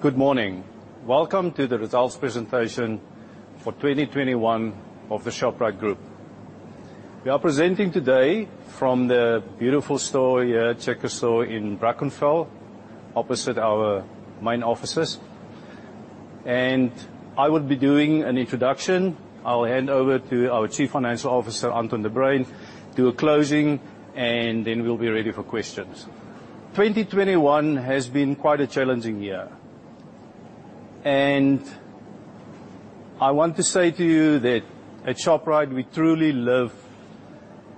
Good morning. Welcome to the results presentation for 2021 of the Shoprite Group. We are presenting today from the beautiful store here, Checkers Store in Brackenfell, opposite our main offices. I will be doing an introduction. I'll hand over to our Chief Financial Officer, Anton de Bruyn, do a closing, and then we'll be ready for questions. 2021 has been quite a challenging year. I want to say to you that at Shoprite, we truly live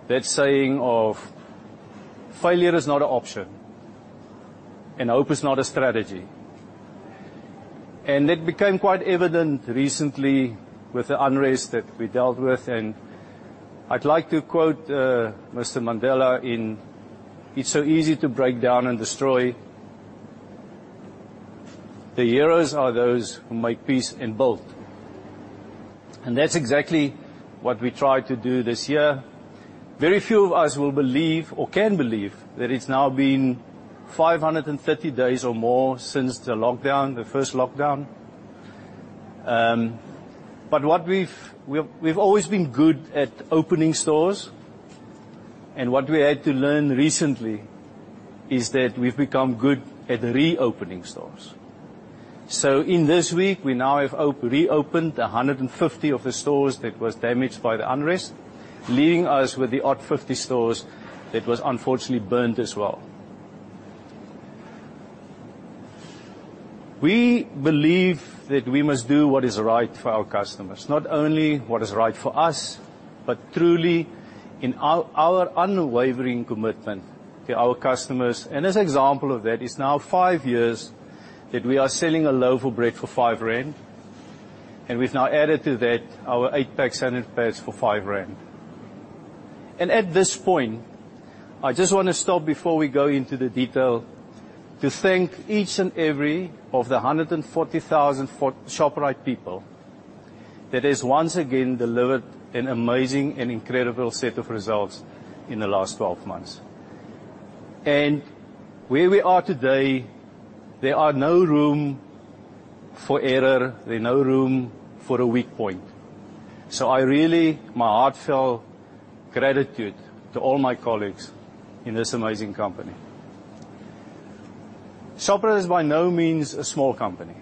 that saying of, "Failure is not an option, and hope is not a strategy." It became quite evident recently with the unrest that we dealt with, and I'd like to quote Mr. Mandela in, "It's so easy to break down and destroy. The heroes are those who make peace and build." That's exactly what we tried to do this year. Very few of us will believe or can believe that it's now been 530 days or more since the lockdown, the first lockdown. We've always been good at opening stores, and what we had to learn recently is that we've become good at reopening stores. In this week, we now have reopened 150 of the stores that was damaged by the unrest, leaving us with the odd 50 stores that was unfortunately burnt as well. We believe that we must do what is right for our customers, not only what is right for us, but truly in our unwavering commitment to our customers. As an example of that, it's now five years that we are selling a loaf of bread for 5 rand, and we've now added to that our eight-pack sanitary pads for 5 rand. At this point, I just want to stop before we go into the detail to thank each and every of the 140,000 Shoprite people that has once again delivered an amazing and incredible set of results in the last 12 months. Where we are today, there are no room for error, there are no room for a weak point. Really, my heartfelt gratitude to all my colleagues in this amazing company. Shoprite is by no means a small company.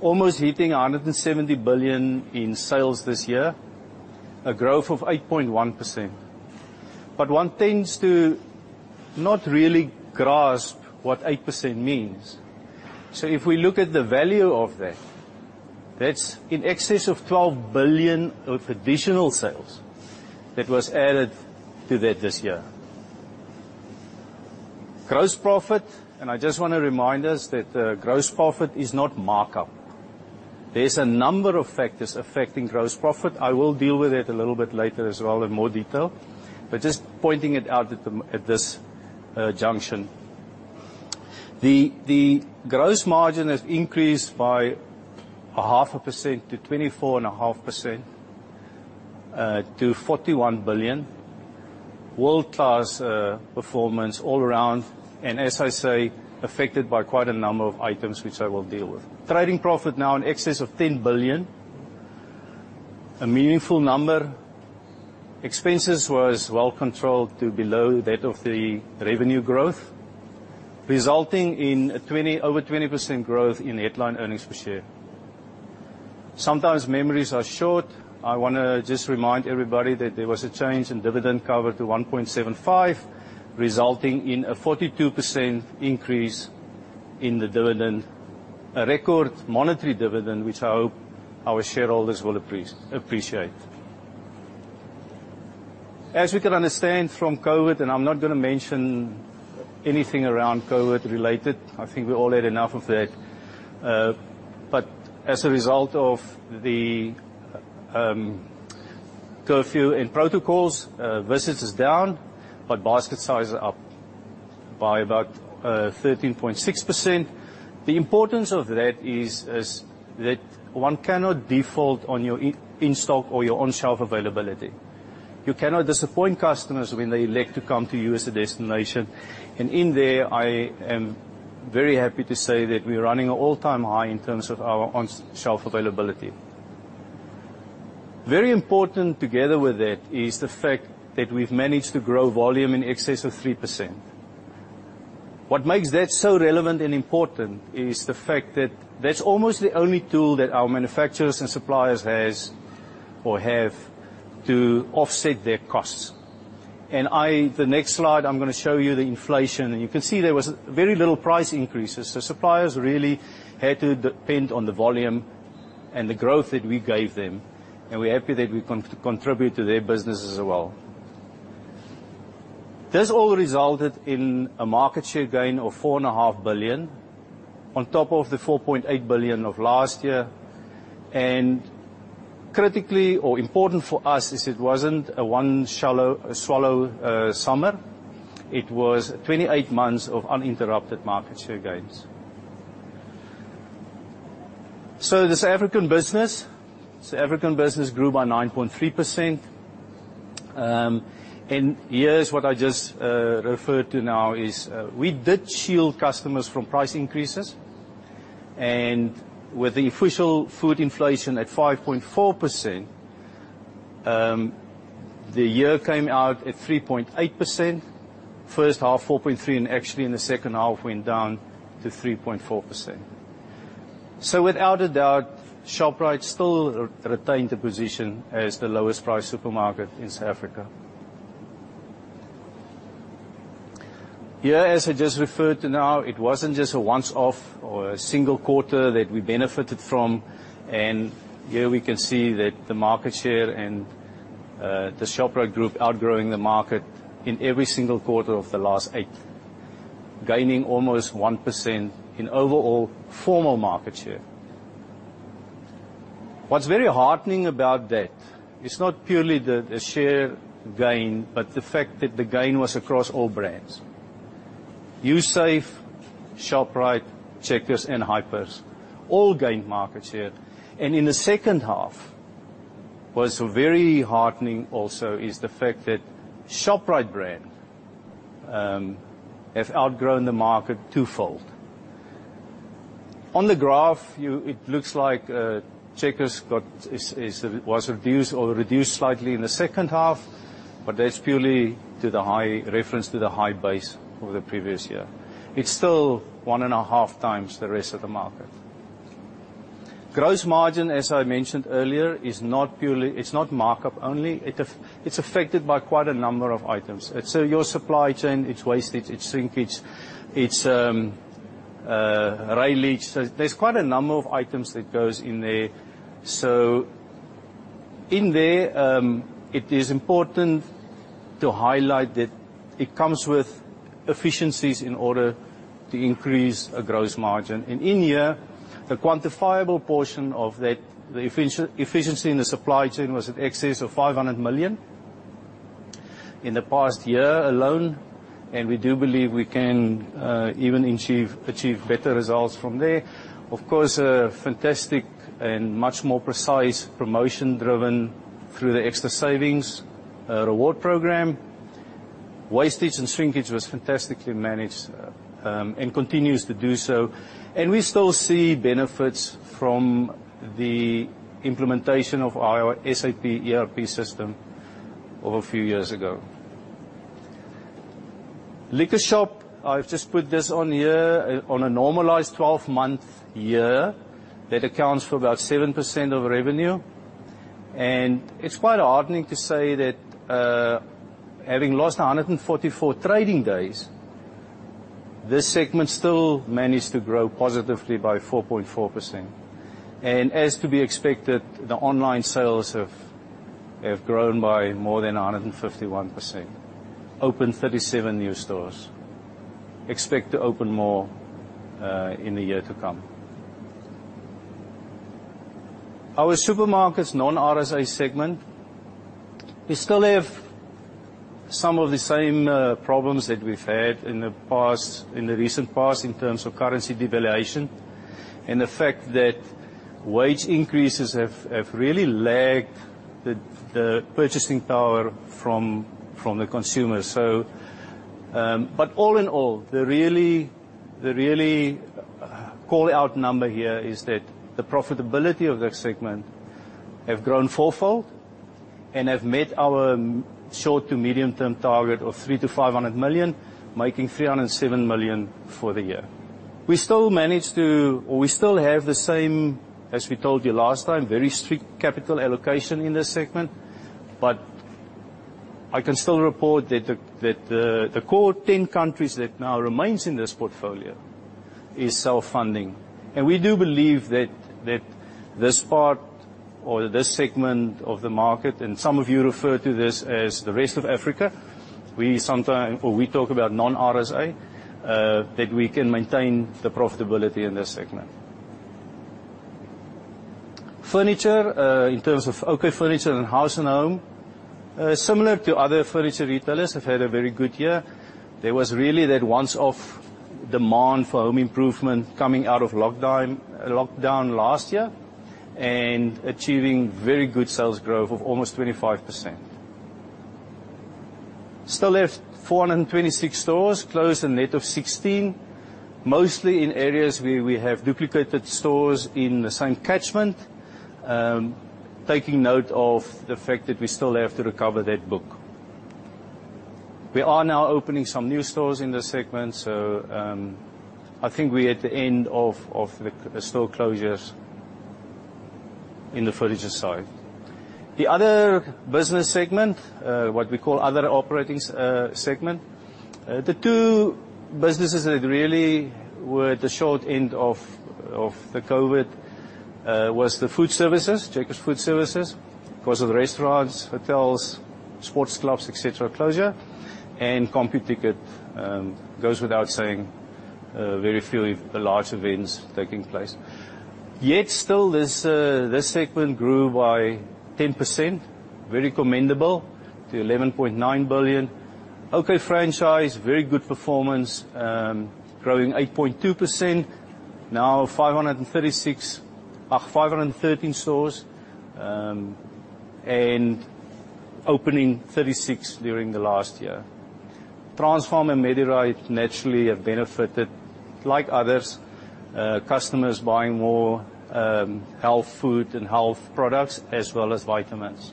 Almost hitting 170 billion in sales this year, a growth of 8.1%. One tends to not really grasp what 8% means. If we look at the value of that's in excess of 12 billion of additional sales that was added to that this year. Gross profit, I just want to remind us that gross profit is not markup. There's a number of factors affecting gross profit. I will deal with that a little bit later as well in more detail, but just pointing it out at this junction. The gross margin has increased by 0.5%-24.5%, to ZAR 41 billion. World-class performance all around, as I say, affected by quite a number of items, which I will deal with. Trading profit now in excess of 10 billion. A meaningful number. Expenses was well controlled to below that of the revenue growth, resulting in over 20% growth in headline earnings per share. Sometimes memories are short. I want to just remind everybody that there was a change in dividend cover to 1.75x, resulting in a 42% increase in the dividend. A record monetary dividend, which I hope our shareholders will appreciate. As we can understand from COVID, and I'm not going to mention anything around COVID related, I think we all had enough of that. As a result of the curfew and protocols, visits is down, but basket size are up by about 13.6%. The importance of that is that one cannot default on your in-stock or your on-shelf availability. You cannot disappoint customers when they elect to come to you as a destination. In there, I am very happy to say that we're running an all-time high in terms of our on-shelf availability. Very important together with that is the fact that we've managed to grow volume in excess of 3%. What makes that so relevant and important is the fact that that's almost the only tool that our manufacturers and suppliers have to offset their costs. The next slide, I'm going to show you the inflation, and you can see there was very little price increases. Suppliers really had to depend on the volume and the growth that we gave them, and we're happy that we contribute to their business as well. This all resulted in a market share gain of 4.5 billion, on top of the 4.8 billion of last year. Critically or important for us is it wasn't a one swallow summer. It was 28 months of uninterrupted market share gains. The South African business grew by 9.3%. Here is what I just referred to now is, we did shield customers from price increases. With the official food inflation at 5.4%, the year came out at 3.8%, first half 4.3%, and actually in the second half went down to 3.4%. Without a doubt, Shoprite still retained a position as the lowest price supermarket in South Africa. Here, as I just referred to now, it wasn't just a once-off or a 1 quarter that we benefited from. Here we can see that the market share and the Shoprite Group outgrowing the market in every single quarter of the last eight, gaining almost 1% in overall formal market share. What's very heartening about that is not purely the share gain, but the fact that the gain was across all brands. Usave, Shoprite, Checkers and Hypers all gained market share. In the second half, what's very heartening also is the fact that Shoprite brand have outgrown the market twofold. On the graph, it looks like Checkers was reduced or reduced slightly in the second half, but that's purely reference to the high base of the previous year. It's still one and a half times the rest of the market. Gross margin, as I mentioned earlier, it's not markup only. It's affected by quite a number of items. It's your supply chain, it's wastage, it's shrinkage, it's railage. There's quite a number of items that goes in there. In there, it is important to highlight that it comes with efficiencies in order to increase a gross margin. In here, the quantifiable portion of the efficiency in the supply chain was in excess of 500 million in the past year alone. We do believe we can even achieve better results from there. Of course, fantastic and much more precise promotion driven through the Xtra Savings reward program. Wastage and shrinkage was fantastically managed, and continues to do so. We still see benefits from the implementation of our SAP ERP system of a few years ago. Liquor shop, I've just put this on here on a normalized 12-month year that accounts for about 7% of revenue. It's quite heartening to say that, having lost 144 trading days, this segment still managed to grow positively by 4.4%. As to be expected, the online sales have grown by more than 151%. Opened 37 new stores. Expect to open more in the year to come. Our supermarkets, non-RSA segment, we still have some of the same problems that we've had in the recent past in terms of currency devaluation and the fact that wage increases have really lagged the purchasing power from the consumer. All in all, the really call out number here is that the profitability of that segment have grown fourfold and have met our short to medium term target of 300 million-500 million, making 307 million for the year. We still have the same, as we told you last time, very strict capital allocation in this segment, but I can still report that the core 10 countries that now remains in this portfolio is self-funding. We do believe that this part or this segment of the market, and some of you refer to this as the rest of Africa, we talk about non-RSA, that we can maintain the profitability in this segment. Furniture, in terms of OK Furniture and House & Home, similar to other furniture retailers, have had a very good year. There was really that once-off demand for home improvement coming out of lockdown last year and achieving very good sales growth of almost 25%. Still have 426 stores, closed a net of 16, mostly in areas where we have duplicated stores in the same catchment, taking note of the fact that we still have to recover that book. We are now opening some new stores in this segment. I think we're at the end of the store closures in the furniture side. The other business segment, what we call other operating segment, the two businesses that really were at the short end of the COVID, was the food services, Checkers Food Services, because of restaurants, hotels, sports clubs, et cetera, closure, and Computicket, goes without saying, very few large events taking place. Still, this segment grew by 10%, very commendable, to 11.9 billion. OK Franchise, very good performance, growing 8.2%, now 513 stores, opening 36 during the last year. Transpharm and MediRite naturally have benefited, like others, customers buying more health food and health products as well as vitamins.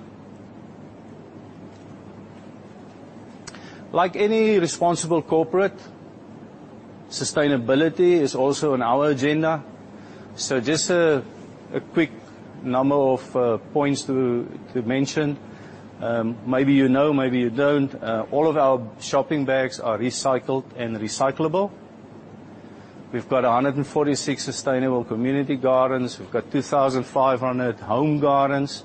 Like any responsible corporate, sustainability is also on our agenda. Just a quick number of points to mention. Maybe you know, maybe you don't. All of our shopping bags are recycled and recyclable. We've got 146 sustainable community gardens. We've got 2,500 home gardens.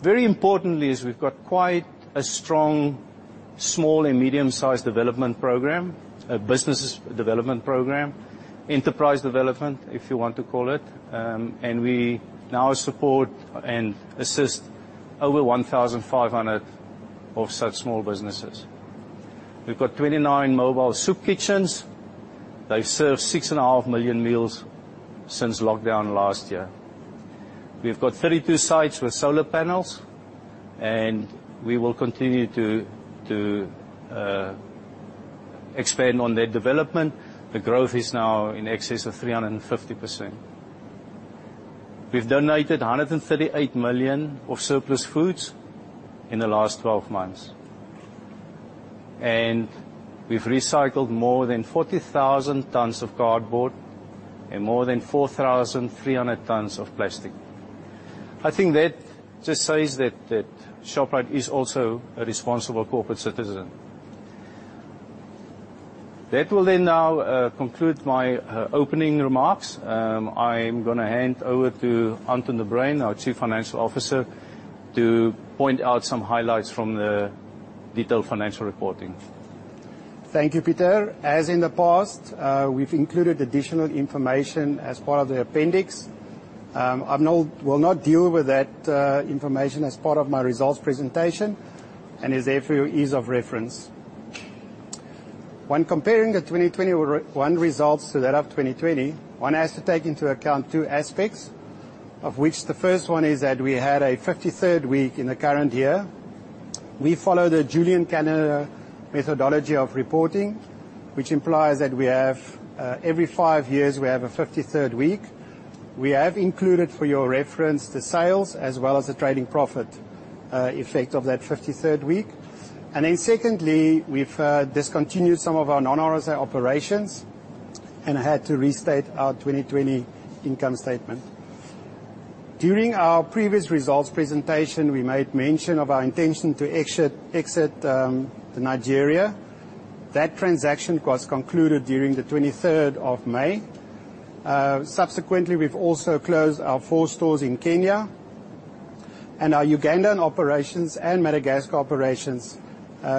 Very importantly is we've got quite a strong small and medium-sized development program, a business development program, enterprise development, if you want to call it. We now support and assist over 1,500 of such small businesses. We've got 29 mobile soup kitchens. They've served six and a half million meals since lockdown last year. We've got 32 sites with solar panels, and we will continue to expand on their development. The growth is now in excess of 350%. We've donated 138 million of surplus foods in the last 12 months. We've recycled more than 40,000 tons of cardboard and more than 4,300 tons of plastic. I think that just says that Shoprite is also a responsible corporate citizen. That will then now conclude my opening remarks. I'm going to hand over to Anton de Bruyn, our Chief Financial Officer, to point out some highlights from the detailed financial reporting. Thank you, Pieter. As in the past, we've included additional information as part of the appendix. I will not deal with that information as part of my results presentation, and is there for your ease of reference. When comparing the 2021 results to that of 2020, one has to take into account two aspects, of which the first one is that we had a 53rd week in the current year. We follow the Julian calendar methodology of reporting, which implies that every five years we have a 53rd week. We have included for your reference the sales as well as the trading profit effect of that 53rd week. Secondly, we've discontinued some of our non-RSA operations and had to restate our 2020 income statement. During our previous results presentation, we made mention of our intention to exit Nigeria. That transaction was concluded during the 23rd of May. Subsequently, we've also closed our four stores in Kenya and our Ugandan operations and Madagascar operations.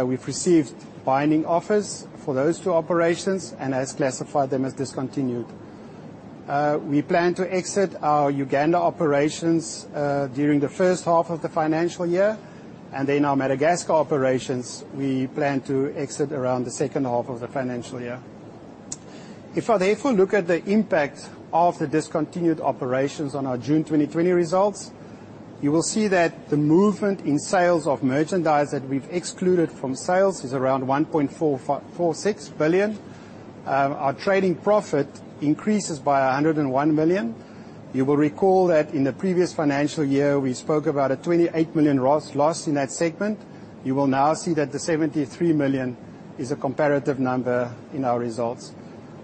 We've received binding offers for those two operations and has classified them as discontinued. We plan to exit our Uganda operations during the first half of the financial year, and then our Madagascar operations, we plan to exit around the second half of the financial year. If I therefore look at the impact of the discontinued operations on our June 2020 results, you will see that the movement in sales of merchandise that we've excluded from sales is around 1.46 billion. Our trading profit increases by 101 million. You will recall that in the previous financial year, we spoke about a 28 million loss in that segment. You will now see that the 73 million is a comparative number in our results.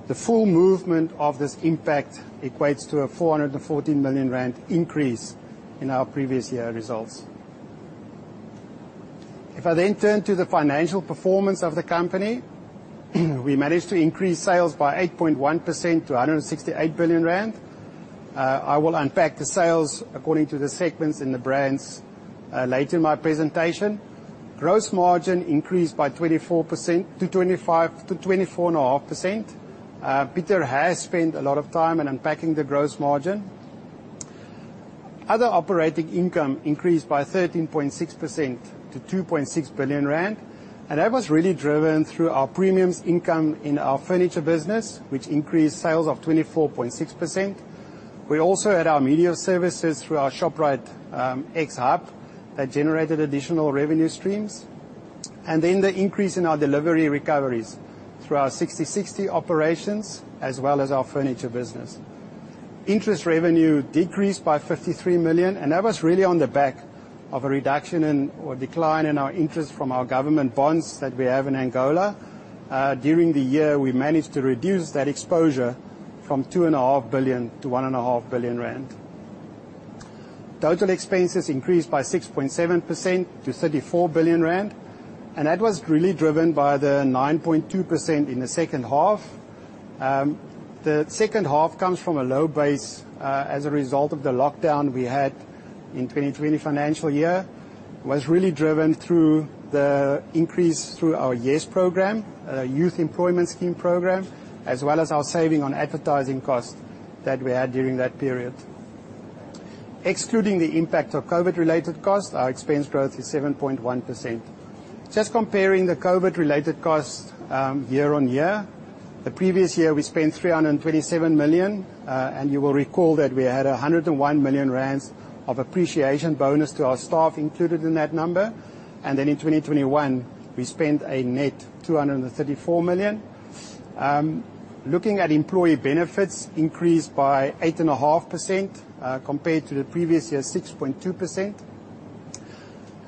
The full movement of this impact equates to a 414 million rand increase in our previous year results. I then turn to the financial performance of the company, we managed to increase sales by 8.1% to 168 billion rand. I will unpack the sales according to the segments and the brands later in my presentation. Gross margin increased by 24%-24.5%. Pieter has spent a lot of time in unpacking the gross margin. Other operating income increased by 13.6% to 2.6 billion rand, that was really driven through our premiums income in our furniture business, which increased sales of 24.6%. We also had our media services through our ShopriteX hub that generated additional revenue streams. The increase in our delivery recoveries through our Sixty60 operations, as well as our furniture business. Interest revenue decreased by 53 million, that was really on the back of a reduction or decline in our interest from our government bonds that we have in Angola. During the year, we managed to reduce that exposure from 2.5 billion-1.5 billion rand. Total expenses increased by 6.7% to 34 billion rand, that was really driven by the 9.2% in the second half. The second half comes from a low base as a result of the lockdown we had in 2020 financial year, was really driven through the increase through our YES program, Youth Employment Service program, as well as our saving on advertising costs that we had during that period. Excluding the impact of COVID-related costs, our expense growth is 7.1%. Just comparing the COVID-related costs year on year, the previous year we spent 327 million, you will recall that we had 101 million rand of appreciation bonus to our staff included in that number. In 2021, we spent a net 234 million. Looking at employee benefits increased by 8.5%, compared to the previous year's 6.2%.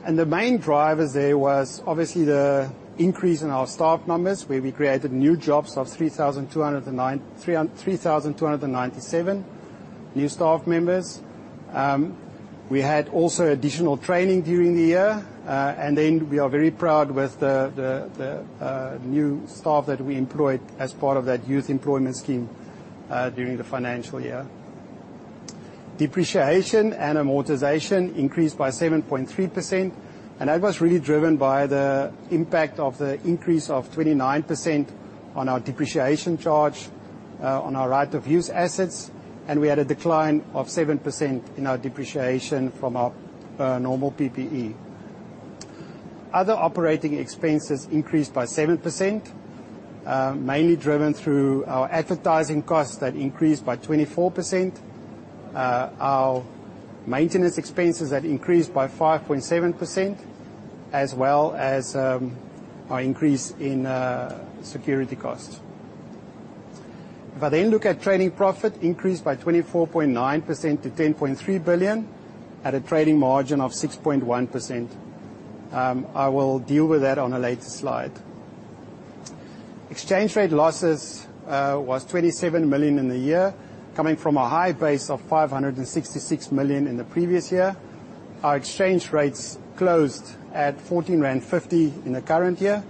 The main drivers there was obviously the increase in our staff numbers, where we created new jobs of 3,297 new staff members. We had also additional training during the year. We are very proud with the new staff that we employed as part of that Youth Employment Service during the financial year. Depreciation and amortization increased by 7.3%, and that was really driven by the impact of the increase of 29% on our depreciation charge, on our right-of-use assets, and we had a decline of 7% in our depreciation from our normal PPE. Other operating expenses increased by 7%, mainly driven through our advertising costs that increased by 24%, our maintenance expenses that increased by 5.7%, as well as our increase in security costs. I then look at trading profit increased by 24.9% to 10.3 billion at a trading margin of 6.1%. I will deal with that on a later slide. Exchange rate losses was 27 million in the year, coming from a high base of 566 million in the previous year. Our exchange rates closed at 14.50 in the current year.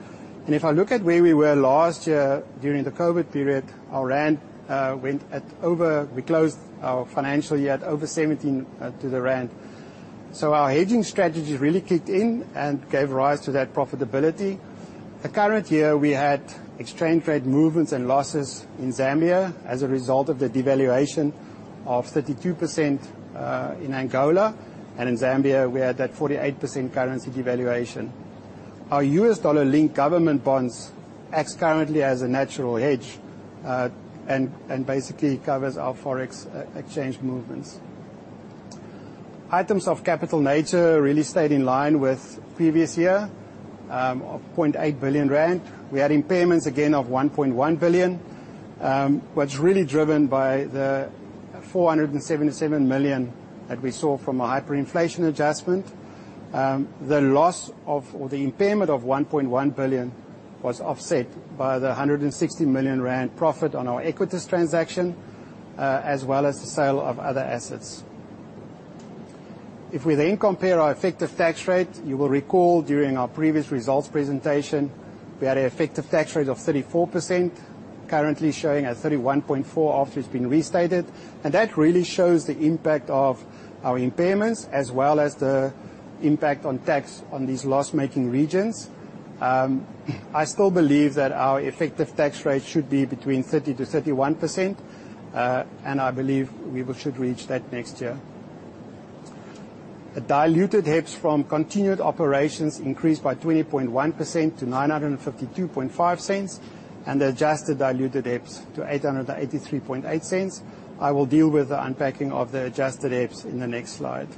If I look at where we were last year during the COVID period, our rand went at over. We closed our financial year at over 17 to the rand. Our hedging strategy really kicked in and gave rise to that profitability. The current year, we had exchange rate movements and losses in Zambia as a result of the devaluation of 32% in Angola. In Zambia, we had that 48% currency devaluation. Our US dollar-linked government bonds acts currently as a natural hedge, and basically covers our Forex exchange movements. Items of capital nature really stayed in line with previous year, of 0.8 billion rand. We had impairments again of 1.1 billion, really driven by the 477 million that we saw from a hyperinflation adjustment. The loss of, or the impairment of 1.1 billion was offset by the 160 million rand profit on our Equites transaction, as well as the sale of other assets. We compare our effective tax rate. You will recall during our previous results presentation, we had an effective tax rate of 34%, currently showing at 31.4% after it's been restated. That really shows the impact of our impairments as well as the impact on tax on these loss-making regions. I still believe that our effective tax rate should be between 30%-31%. I believe we should reach that next year. The diluted HEPS from continued operations increased by 20.1% to 9.525. The adjusted diluted HEPS to 8.838. I will deal with the unpacking of the adjusted HEPS in the next slide.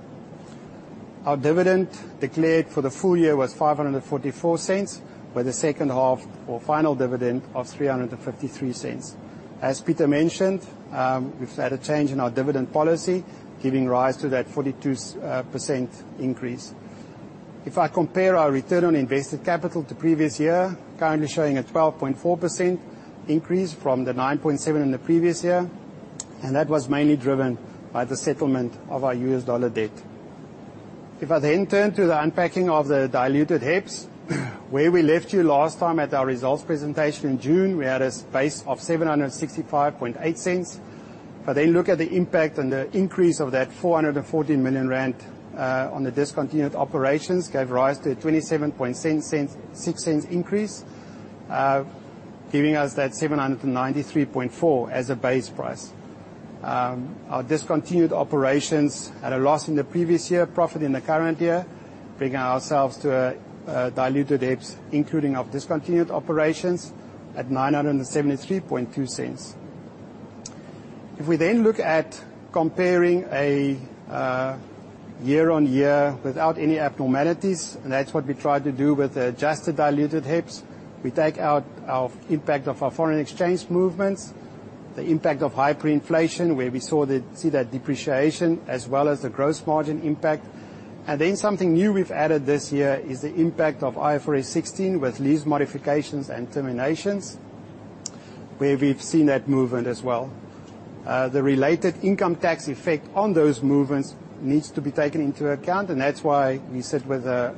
Our dividend declared for the full year was 5.44, with the second half or final dividend of 3.53. As Pieter mentioned, we've had a change in our dividend policy, giving rise to that 42% increase. If I compare our return on invested capital to previous year, currently showing a 12.4% increase from the 9.7% in the previous year, and that was mainly driven by the settlement of our US dollar debt. If I turn to the unpacking of the diluted HEPS, where we left you last time at our results presentation in June, we had a space of 7.658. If I look at the impact and the increase of that 440 million rand on the discontinued operations gave rise to a 0.2706 increase, giving us that 7.934 as a base price. Our discontinued operations at a loss in the previous year, profit in the current year, bringing ourselves to a diluted HEPS including our discontinued operations at 9.7320. If we look at comparing a year-on-year without any abnormalities, and that's what we tried to do with the adjusted diluted HEPS. We take out our impact of our foreign exchange movements, the impact of hyperinflation, where we see that depreciation as well as the gross margin impact. Something new we've added this year is the impact of IFRS 16 with lease modifications and terminations, where we've seen that movement as well. The related income tax effect on those movements needs to be taken into account, that's why we sit with a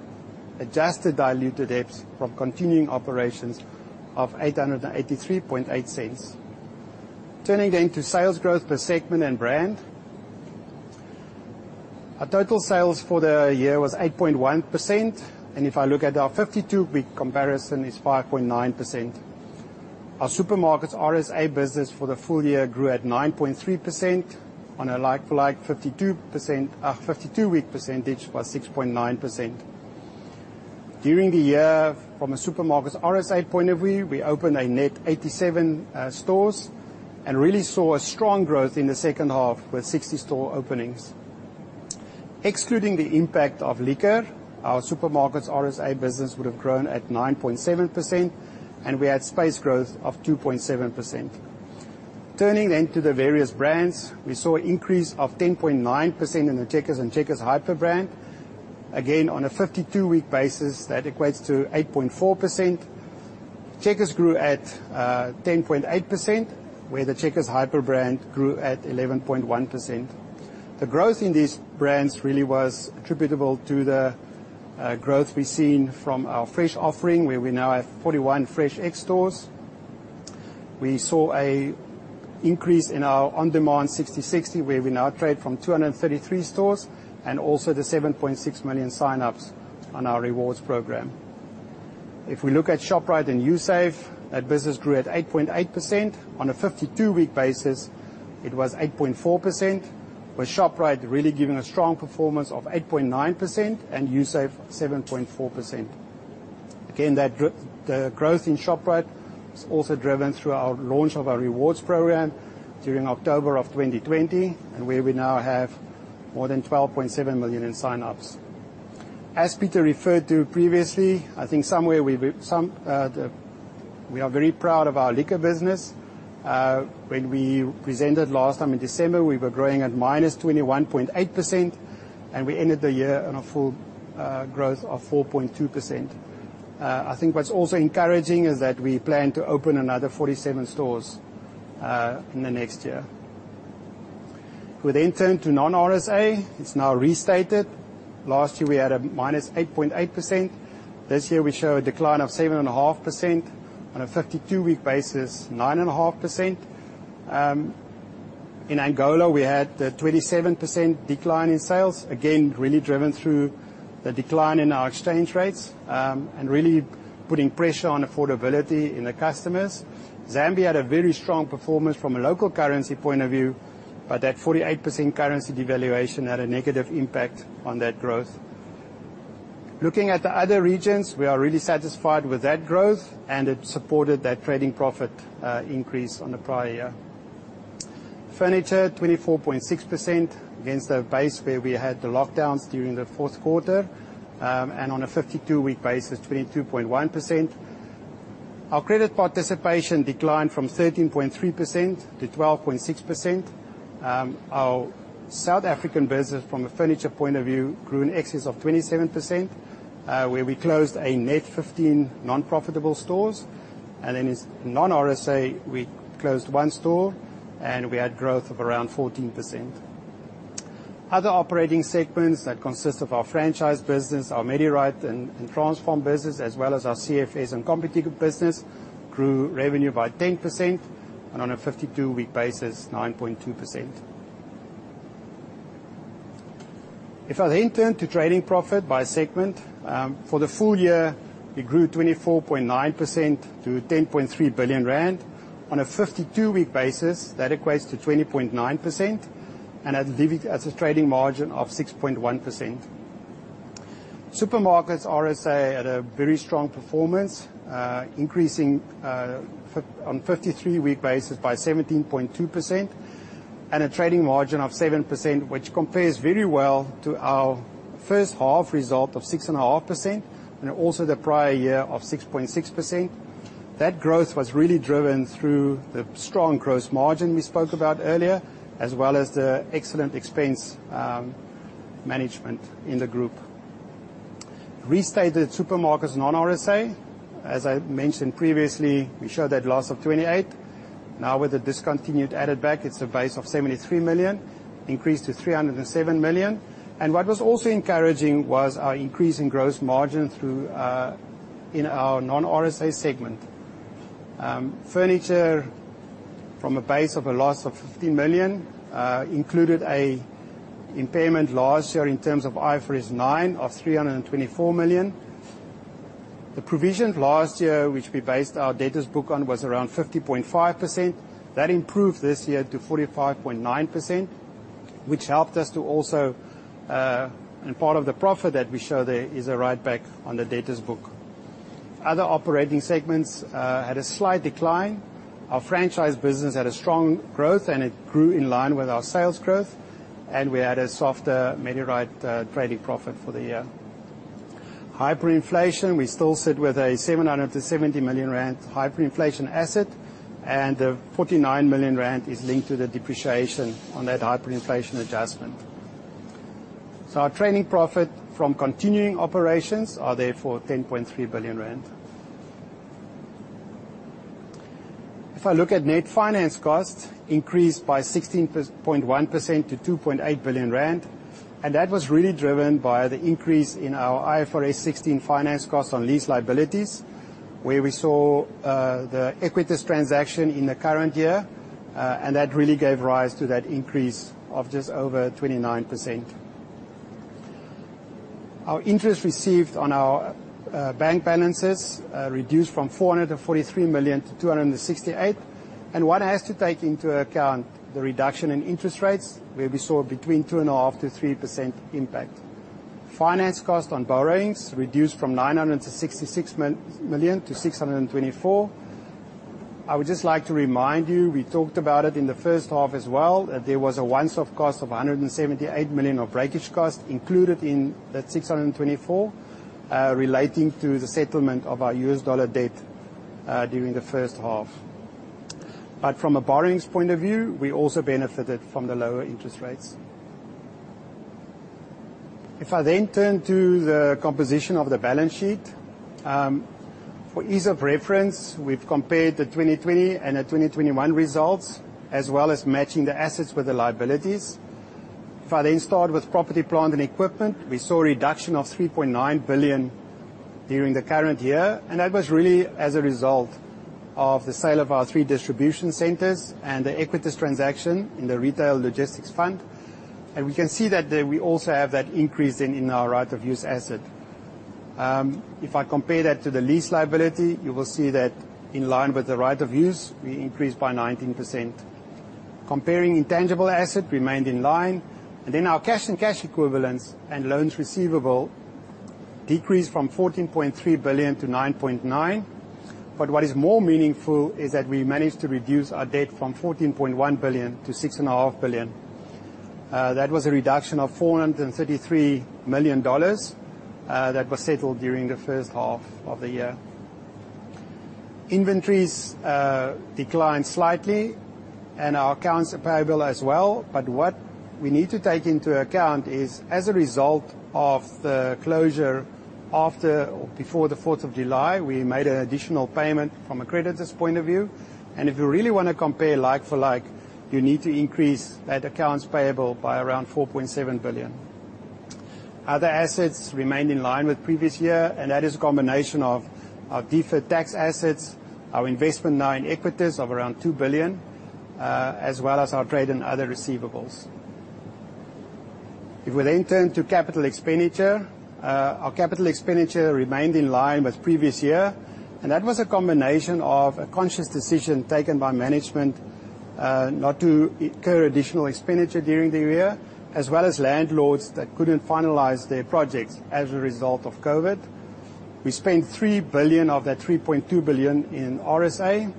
adjusted diluted HEPS from continuing operations of 8.8380. Turning to sales growth per segment and brand. Our total sales for the year was 8.1%, and if I look at our 52-week comparison is 5.9%. Our supermarkets RSA business for the full year grew at 9.3% on a like-for-like 52-week percentage was 6.9%. During the year, from a supermarkets RSA point of view, we opened a net 87 stores and really saw a strong growth in the second half with 60 store openings. Excluding the impact of liquor, our supermarkets RSA business would have grown at 9.7%, and we had space growth of 2.7%. Turning then to the various brands, we saw increase of 10.9% in the Checkers and Checkers Hyper brand. Again, on a 52-week basis, that equates to 8.4%. Checkers grew at 10.8%, where the Checkers Hyper brand grew at 11.1%. The growth in these brands really was attributable to the growth we've seen from our fresh offering, where we now have 41 FreshX stores. We saw an increase in our on-demand Sixty60, where we now trade from 233 stores, and also the 7.6 million sign-ups on our rewards program. If we look at Shoprite and Usave, that business grew at 8.8%. On a 52-week basis, it was 8.4%, with Shoprite really giving a strong performance of 8.9% and Usave 7.4%. Again, the growth in Shoprite was also driven through our launch of our rewards program during October of 2020, and where we now have more than 12.7 million in sign-ups. As Pieter referred to previously, I think we are very proud of our liquor business. When we presented last time in December, we were growing at -21.8%, and we ended the year on a full growth of 4.2%. I think what's also encouraging is that we plan to open another 47 stores in the next year. We turn to non-RSA. It's now restated. Last year, we had a -8.8%. This year, we show a decline of 7.5%. On a 52-week basis, 9.5%. In Angola, we had a 27% decline in sales, again, really driven through the decline in our exchange rates and really putting pressure on affordability in the customers. Zambia had a very strong performance from a local currency point of view, but that 48% currency devaluation had a negative impact on that growth. Looking at the other regions, we are really satisfied with that growth, and it supported that trading profit increase on the prior year. Furniture, 24.6% against a base where we had the lockdowns during the fourth quarter, and on a 52-week basis, 22.1%. Our credit participation declined from 13.3%-12.6%. Our South African business, from a furniture point of view, grew in excess of 27%, where we closed a net 15 non-profitable stores. Then in non-RSA, we closed one store, and we had growth of around 14%. Other operating segments that consist of our franchise business, our MediRite and Transpharm business, as well as our CFS and Computicket business, grew revenue by 10%, and on a 52-week basis, 9.2%. If I then turn to trading profit by segment, for the full year, we grew 24.9% to 10.3 billion rand. On a 52-week basis, that equates to 20.9% and a trading margin of 6.1%. Supermarkets RSA had a very strong performance, increasing on 53-week basis by 17.2% and a trading margin of 7%, which compares very well to our first half result of 6.5% and also the prior year of 6.6%. That growth was really driven through the strong gross margin we spoke about earlier, as well as the excellent expense management in the group. Restated supermarkets non-RSA, as I mentioned previously, we showed that loss of 28. Now with the discontinued added back, it's a base of 73 million, increased to 307 million. What was also encouraging was our increase in gross margin in our non-RSA segment. Furniture, from a base of a loss of 15 million, included an impairment last year in terms of IFRS 9 of 324 million. The provision last year, which we based our debtors book on, was around 50.5%. That improved this year to 45.9%, which helped us to also, and part of the profit that we show there is a write back on the debtors book. Other operating segments had a slight decline. Our franchise business had a strong growth, and it grew in line with our sales growth, and we had a softer MediRite trading profit for the year. Hyperinflation, we still sit with a 770 million rand hyperinflation asset, and the 49 million rand is linked to the depreciation on that hyperinflation adjustment. Our trading profit from continuing operations are therefore ZAR 10.3 billion. If I look at net finance costs, increased by 16.1% to 2.8 billion rand, and that was really driven by the increase in our IFRS 16 finance costs on lease liabilities, where we saw the Equites transaction in the current year, and that really gave rise to that increase of just over 29%. Our interest received on our bank balances reduced from 443 million-268 million. One has to take into account the reduction in interest rates, where we saw between 2.5%-3% impact. Finance cost on borrowings reduced from 966 million-624 million. I would just like to remind you, we talked about it in the first half as well, that there was a once-off cost of 178 million of breakage cost included in that 624 million, relating to the settlement of our U.S. dollar debt during the first half. From a borrowings point of view, we also benefited from the lower interest rates. Turn to the composition of the balance sheet. For ease of reference, we've compared the 2020 and the 2021 results, as well as matching the assets with the liabilities. Start with property, plant, and equipment, we saw a reduction of 3.9 billion during the current year, and that was really as a result of the sale of our three distribution centers and the Equites transaction in the Retail Logistics Fund. We can see that we also have that increase in our right-of-use asset. If I compare that to the lease liability, you will see that in line with the right-of-use, we increased by 19%. Comparing intangible asset remained in line. Our cash and cash equivalents and loans receivable decreased from 14.3 billion-9.9 billion. What is more meaningful is that we managed to reduce our debt from 14.1 billion-6.5 billion. That was a reduction of $433 million that was settled during the first half of the year. Inventories declined slightly and our accounts are payable as well. What we need to take into account is as a result of the closure before the 4th of July, we made an additional payment from a creditors' point of view. If you really want to compare like for like, you need to increase that accounts payable by around 4.7 billion. Other assets remained in line with previous year, and that is a combination of our deferred tax assets, our investment now in Equites of around 2 billion, as well as our trade and other receivables. If we then turn to capital expenditure, our capital expenditure remained in line with previous year, and that was a combination of a conscious decision taken by management, not to incur additional expenditure during the year, as well as landlords that couldn't finalize their projects as a result of COVID. We spent 3 billion of that 3.2 billion in RSA,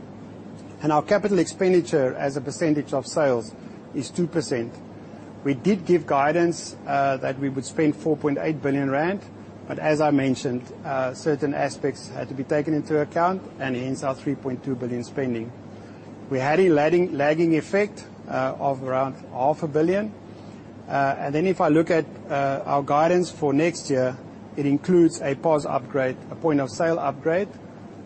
and our capital expenditure as a percentage of sales is 2%. We did give guidance that we would spend 4.8 billion rand, but as I mentioned, certain aspects had to be taken into account and hence our 3.2 billion spending. We had a lagging effect of around 500 million. If I look at our guidance for next year, it includes a POS upgrade, a point of sale upgrade,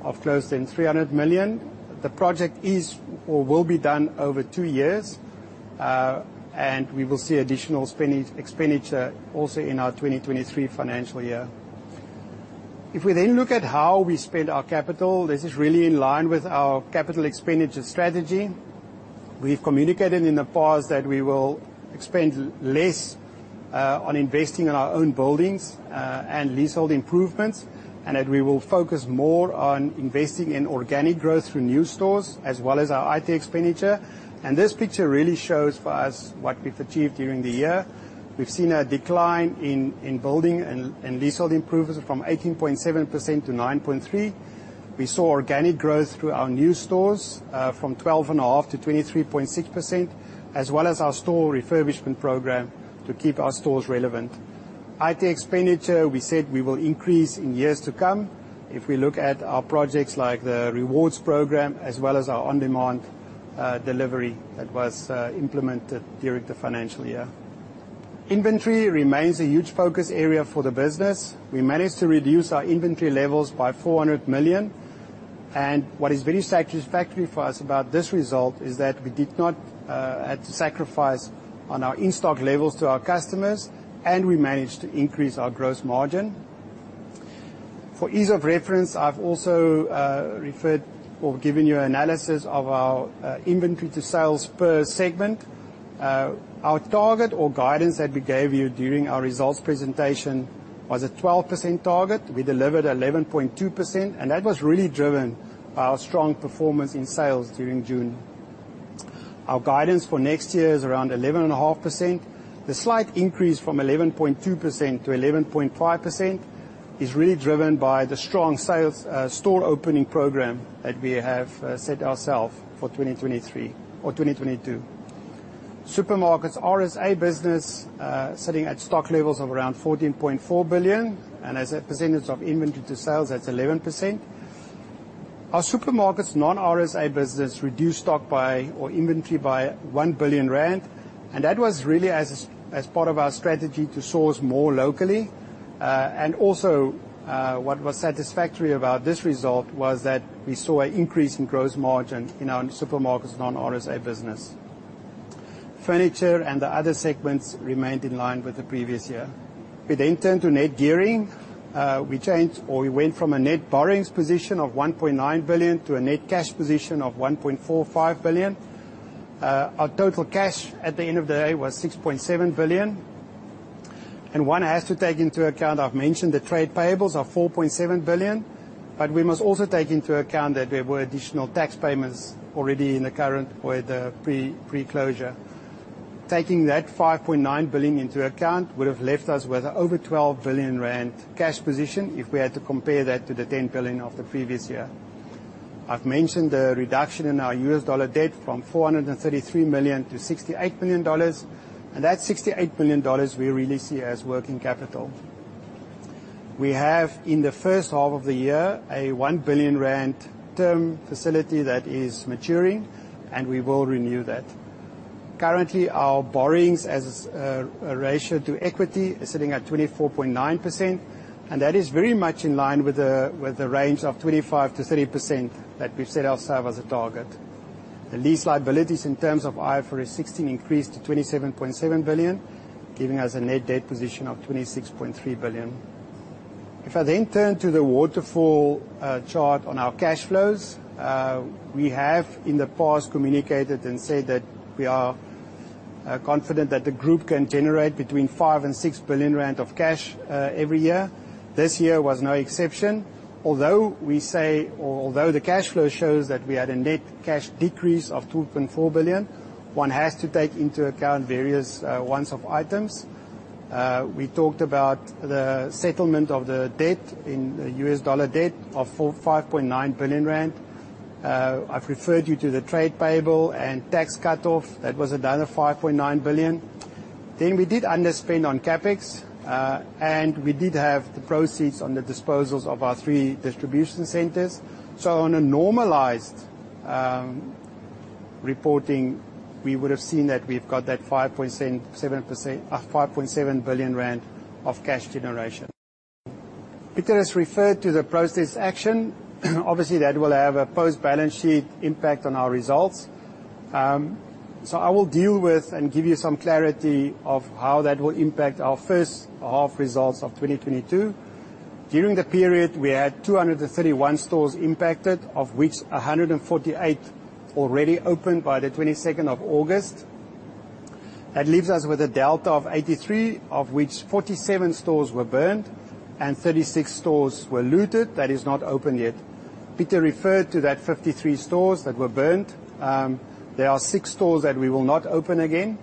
of close to 300 million. The project is or will be done over two years, and we will see additional expenditure also in our 2023 financial year. If we look at how we spent our capital, this is really in line with our capital expenditure strategy. We've communicated in the past that we will expend less on investing in our own buildings and leasehold improvements, and that we will focus more on investing in organic growth through new stores as well as our IT expenditure. This picture really shows for us what we've achieved during the year. We've seen a decline in building and leasehold improvements from 18.7%-9.3%. We saw organic growth through our new stores from 12.5%-23.6%, as well as our store refurbishment program to keep our stores relevant. IT expenditure, we said we will increase in years to come. If we look at our projects like the rewards program as well as our on-demand delivery that was implemented during the financial year. Inventory remains a huge focus area for the business. We managed to reduce our inventory levels by 400 million. What is very satisfactory for us about this result is that we did not have to sacrifice on our in-stock levels to our customers, and we managed to increase our gross margin. For ease of reference, I've also referred or given you analysis of our inventory to sales per segment. Our target or guidance that we gave you during our results presentation was a 12% target. We delivered 11.2%, and that was really driven by our strong performance in sales during June. Our guidance for next year is around 11.5%. The slight increase from 11.2%-11.5% is really driven by the strong store opening program that we have set ourself for 2023 or 2022. Supermarkets RSA business sitting at stock levels of around 14.4 billion, and as a percentage of inventory to sales, that's 11%. Our supermarkets non-RSA business reduced stock or inventory by 1 billion rand. That was really as part of our strategy to source more locally. Also, what was satisfactory about this result was that we saw an increase in gross margin in our supermarkets non-RSA business. Furniture and the other segments remained in line with the previous year. If we then turn to net gearing, we changed or we went from a net borrowings position of 1.9 billion to a net cash position of 1.45 billion. Our total cash at the end of the day was 6.7 billion. One has to take into account, I've mentioned the trade payables are 4.7 billion, but we must also take into account that there were additional tax payments already in the current with the pre-closure. Taking that 5.9 billion into account would've left us with over 12 billion rand cash position if we had to compare that to the 10 billion of the previous year. I've mentioned the reduction in our U.S. dollar debt from $433 million-$68 million. That $68 million we really see as working capital. We have, in the first half of the year, a 1 billion rand term facility that is maturing, and we will renew that. Currently, our borrowings as a ratio to equity is sitting at 24.9%, and that is very much in line with the range of 25%-30% that we've set ourselves as a target. The lease liabilities in terms of IFRS 16 increased to 27.7 billion, giving us a net debt position of 26.3 billion. I then turn to the waterfall chart on our cash flows, we have in the past communicated and said that we are confident that the group can generate between 5 billion and 6 billion rand of cash every year. This year was no exception. Although the cash flow shows that we had a net cash decrease of 2.4 billion, one has to take into account various once-off items. We talked about the settlement of the debt in the U.S. dollar debt of 5.9 billion rand. I've referred you to the trade payable and tax cutoff. That was another 5.9 billion. We did underspend on CapEx, and we did have the proceeds on the disposals of our three distribution centers. On a normalized reporting, we would've seen that we've got that 5.7 billion rand of cash generation. Pieter has referred to the protest action. Obviously, that will have a post-balance sheet impact on our results. I will deal with and give you some clarity of how that will impact our first half results of 2022. During the period, we had 231 stores impacted, of which 148 already opened by the 22nd of August. That leaves us with a delta of 83, of which 47 stores were burned, and 36 stores were looted that is not open yet. Pieter referred to that 53 stores that were burned. There are six stores that we will not open again.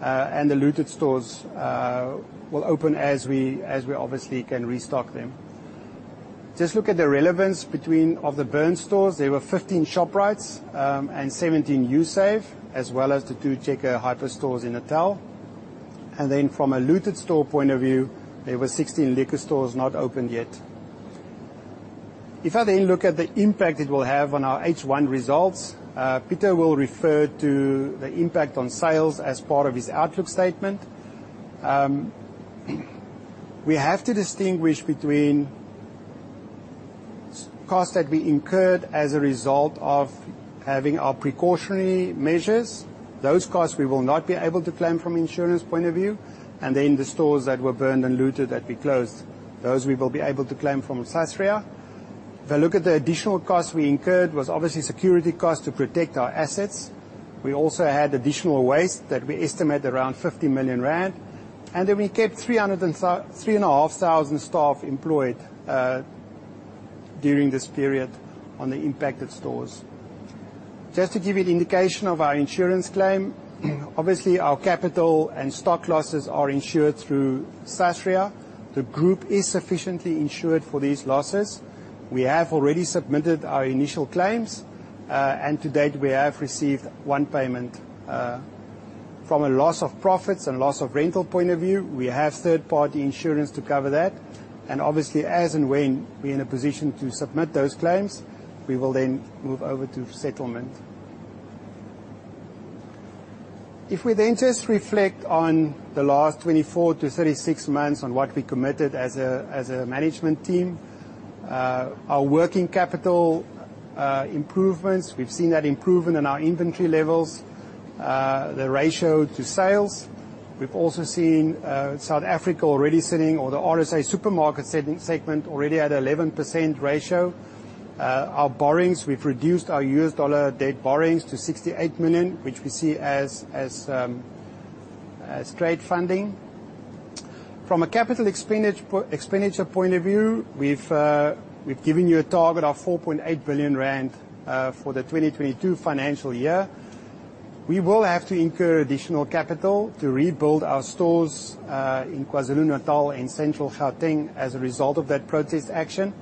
The looted stores will open as we obviously can restock them. Just look at the relevance between of the burned stores. There were 15 Shoprites, and 17 Usave, as well as the 2 Checkers Hyper stores in Natal. From a looted store point of view, there were 16 liquor stores not opened yet. If I then look at the impact it will have on our H1 results, Pieter will refer to the impact on sales as part of his outlook statement. We have to distinguish between costs that we incurred as a result of having our precautionary measures. Those costs we will not be able to claim from insurance point of view. The stores that were burned and looted that we closed, those we will be able to claim from SASRIA. If I look at the additional cost we incurred, was obviously security cost to protect our assets. We also had additional waste that we estimate around 50 million rand. We kept 3,500 staff employed during this period on the impacted stores. Just to give you an indication of our insurance claim, obviously, our capital and stock losses are insured through SASRIA. The group is sufficiently insured for these losses. We have already submitted our initial claims, to date, we have received one payment. From a loss of profits and loss of rental point of view, we have third-party insurance to cover that. Obviously, as and when we're in a position to submit those claims, we will then move over to settlement. If we then just reflect on the last 24-36 months on what we committed as a management team. Our working capital improvements, we've seen that improvement in our inventory levels, the ratio to sales. We've also seen South Africa already sitting or the RSA supermarket segment already at 11% ratio. Our borrowings, we've reduced our U.S. dollar debt borrowings to $68 million, which we see as trade funding. From a CapEx point of view, we've given you a target of 4.8 billion rand for the 2022 financial year. We will have to incur additional capital to rebuild our stores in KwaZulu-Natal and Central Gauteng as a result of that protest action,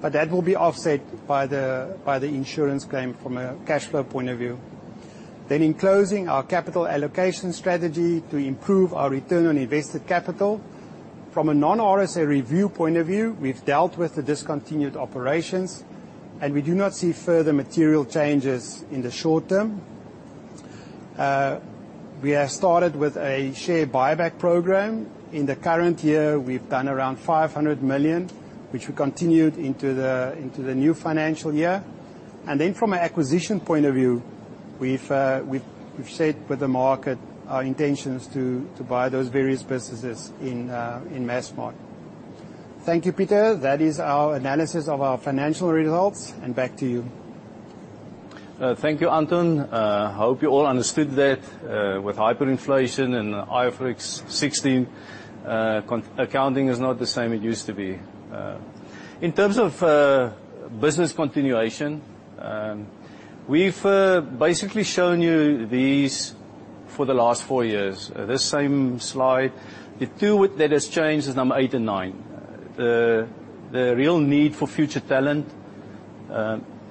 but that will be offset by the insurance claim from a cash flow point of view. In closing, our capital allocation strategy to improve our return on invested capital. From a non-RSA review point of view, we've dealt with the discontinued operations, and we do not see further material changes in the short term. We have started with a share buyback program. In the current year, we've done around 500 million, which we continued into the new financial year. From an acquisition point of view, we've said with the market our intentions to buy those various businesses in Massmart. Thank you, Pieter. That is our analysis of our financial results, and back to you. Thank you, Anton. I hope you all understood that with hyperinflation and IFRS 16, accounting is not the same it used to be. In terms of business continuation, we've basically shown you these for the last four years, this same slide. The two that has changed is number 8 and 9. The real need for future talent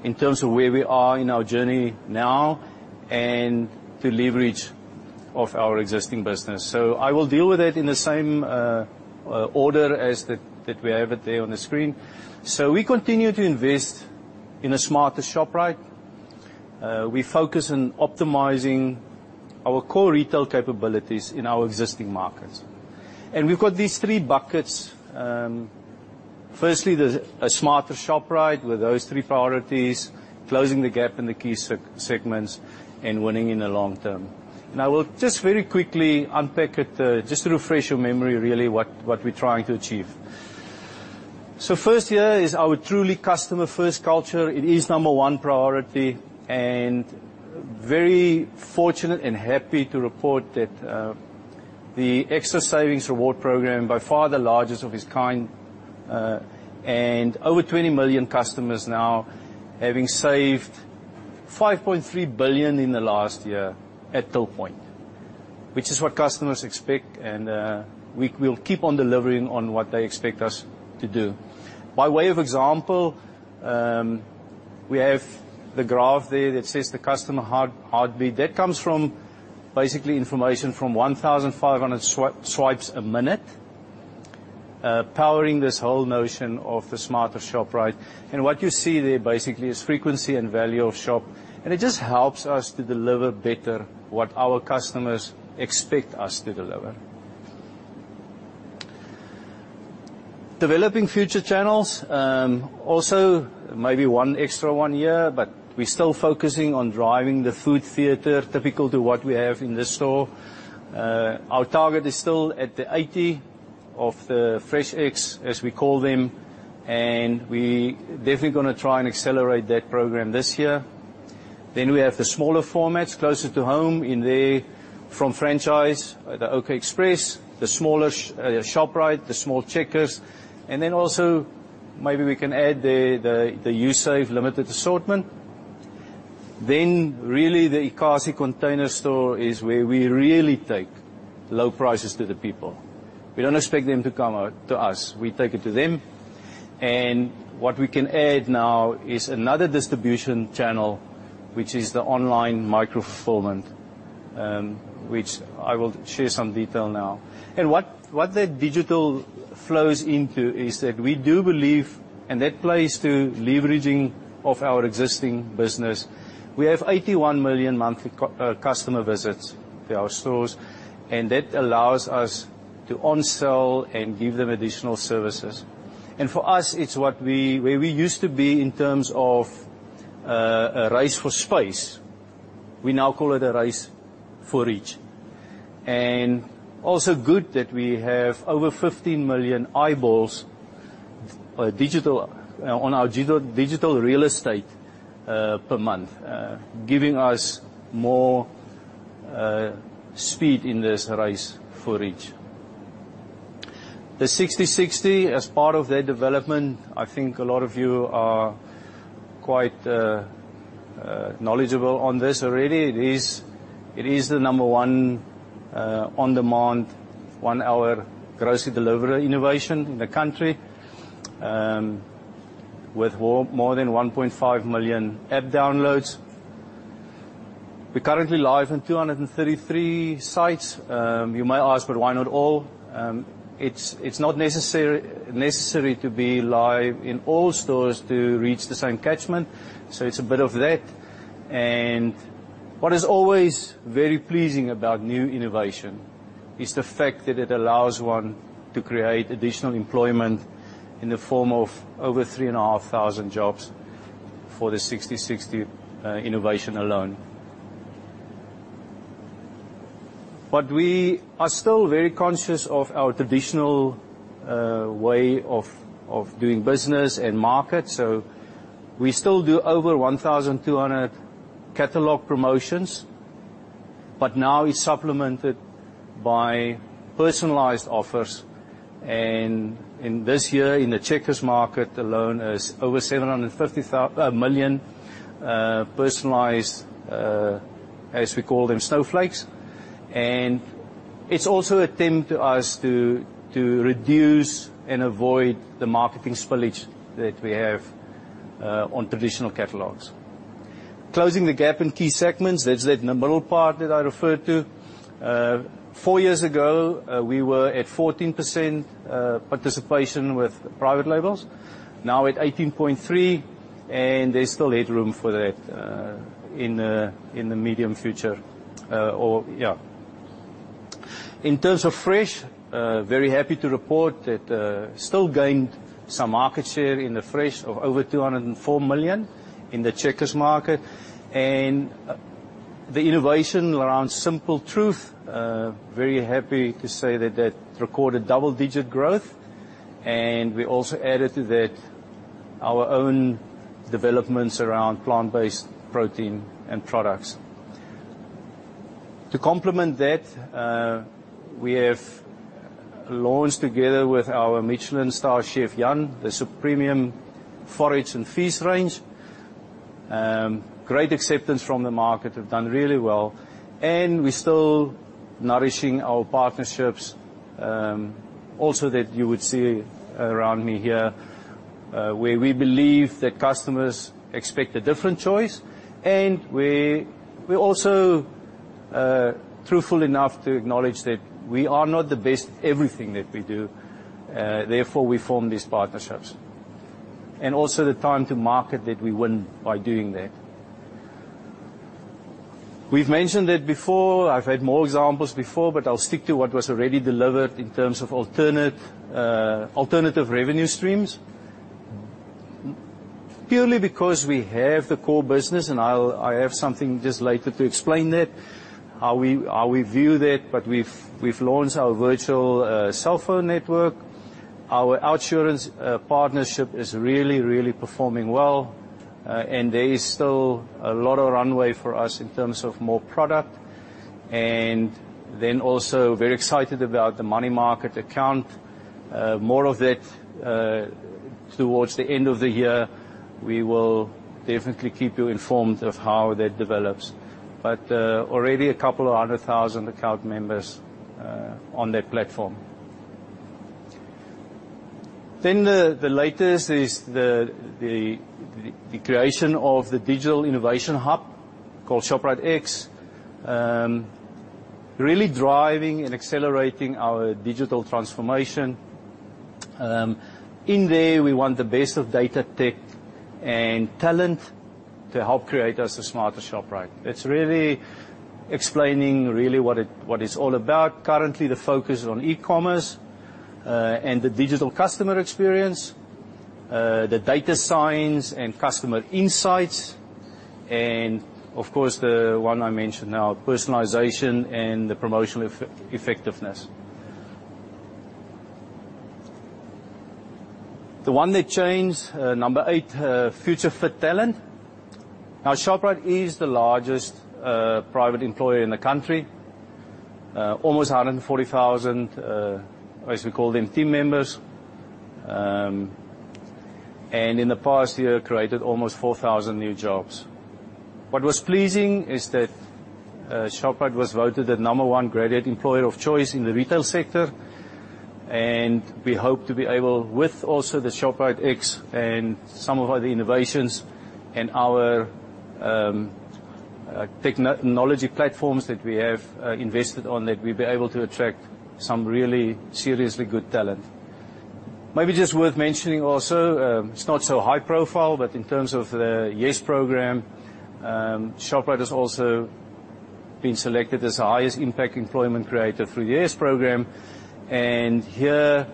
in terms of where we are in our journey now and the leverage of our existing business. I will deal with that in the same order as we have it there on the screen. We continue to invest in a smarter Shoprite. We focus on optimizing our core retail capabilities in our existing markets. We've got these three buckets. Firstly, there's a smarter Shoprite with those three priorities, closing the gap in the key segments, and winning in the long term. I will just very quickly unpack it, just to refresh your memory, really, what we're trying to achieve. First here is our truly customer-first culture. It is number one priority, and very fortunate and happy to report that the Xtra Savings reward program, by far the largest of its kind, and over 20 million customers now having saved 5.3 billion in the last year at till point. Which is what customers expect, and we will keep on delivering on what they expect us to do. By way of example, we have the graph there that says the customer heartbeat. That comes from basically information from 1,500 swipes a minute, powering this whole notion of the smarter Shoprite. What you see there basically is frequency and value of shop. It just helps us to deliver better what our customers expect us to deliver. Developing future channels, also maybe one extra one here, but we're still focusing on driving the food theater typical to what we have in this store. Our target is still at the 80 of the FreshX, as we call them, and we definitely going to try and accelerate that program this year. We have the smaller formats closer to home in there from franchise, the OK Express, the smaller Shoprite, the small Checkers. Also maybe we can add there the Usave limited assortment. Really the eKasi container store is where we really take low prices to the people. We don't expect them to come out to us. We take it to them. What we can add now is another distribution channel, which is the online micro-fulfillment, which I will share some detail now. What that digital flows into is that we do believe, and that plays to leveraging of our existing business. We have 81 million monthly customer visits to our stores, and that allows us to onsell and give them additional services. For us, it's where we used to be in terms of a race for space. We now call it a race for reach. Also good that we have over 15 million eyeballs on our digital real estate per month, giving us more speed in this race for reach. The Sixty60, as part of their development, I think a lot of you are quite knowledgeable on this already. It is the number 1 on-demand, one-hour grocery delivery innovation in the country, with more than 1.5 million app downloads. We currently live in 233 sites. You may ask, "Why not all?" It's not necessary to be live in all stores to reach the same catchment. It's a bit of that. What is always very pleasing about new innovation is the fact that it allows one to create additional employment in the form of over 3,500 jobs for the Sixty60 innovation alone. We are still very conscious of our traditional way of doing business and market. We still do over 1,200 catalog promotions, but now it's supplemented by personalized offers. In this year in the Checkers market alone is over 750 million personalized, as we call them, snowflakes. It's also attempt to us to reduce and avoid the marketing spillage that we have on traditional catalogs. Closing the gap in key segments, that's that middle part that I referred to. Four years ago, we were at 14% participation with private labels. Now at 18.3, and there's still headroom for that in the medium future or yeah. In terms of fresh, very happy to report that still gained some market share in the fresh of over 204 million in the Checkers market. The innovation around Simple Truth, very happy to say that that recorded double-digit growth, and we also added to that our own developments around plant-based protein and products. To complement that, we have launched together with our Michelin star chef, Jan, the Forage & Feast range. Great acceptance from the market. Have done really well. We're still nourishing our partnerships, also that you would see around me here, where we believe that customers expect a different choice. We're also truthful enough to acknowledge that we are not the best at everything that we do, therefore, we form these partnerships. Also the time to market that we win by doing that. We've mentioned it before, I've had more examples before, but I'll stick to what was already delivered in terms of alternative revenue streams. Purely because we have the core business, and I have something just later to explain that, how we view that. We've launched our virtual cellphone network. Our OUTsurance partnership is really, really performing well, and there is still a lot of runway for us in terms of more product. Also very excited about the Money Market account. More of that towards the end of the year. We will definitely keep you informed of how that develops. Already a couple of 100,000 account members on that platform. The latest is the creation of the digital innovation hub called ShopriteX. Really driving and accelerating our digital transformation. In there, we want the best of data tech and talent to help create us a smarter Shoprite. It's really explaining what it's all about. Currently, the focus is on e-commerce and the digital customer experience, the data science and customer insights, and of course, the one I mentioned now, personalization and the promotional effectiveness. The one that changed, number 8, future fit talent. Shoprite is the largest private employer in the country. Almost 140,000, as we call them, team members. In the past year, created almost 4,000 new jobs. What was pleasing is that Shoprite was voted the number 1 graduate employer of choice in the retail sector. We hope to be able, with also the ShopriteX and some of our other innovations and our technology platforms that we have invested on, that we'll be able to attract some really seriously good talent. Maybe just worth mentioning also, it's not so high profile. In terms of the YES program, Shoprite has also been selected as the highest impact employment creator through the YES program. Here,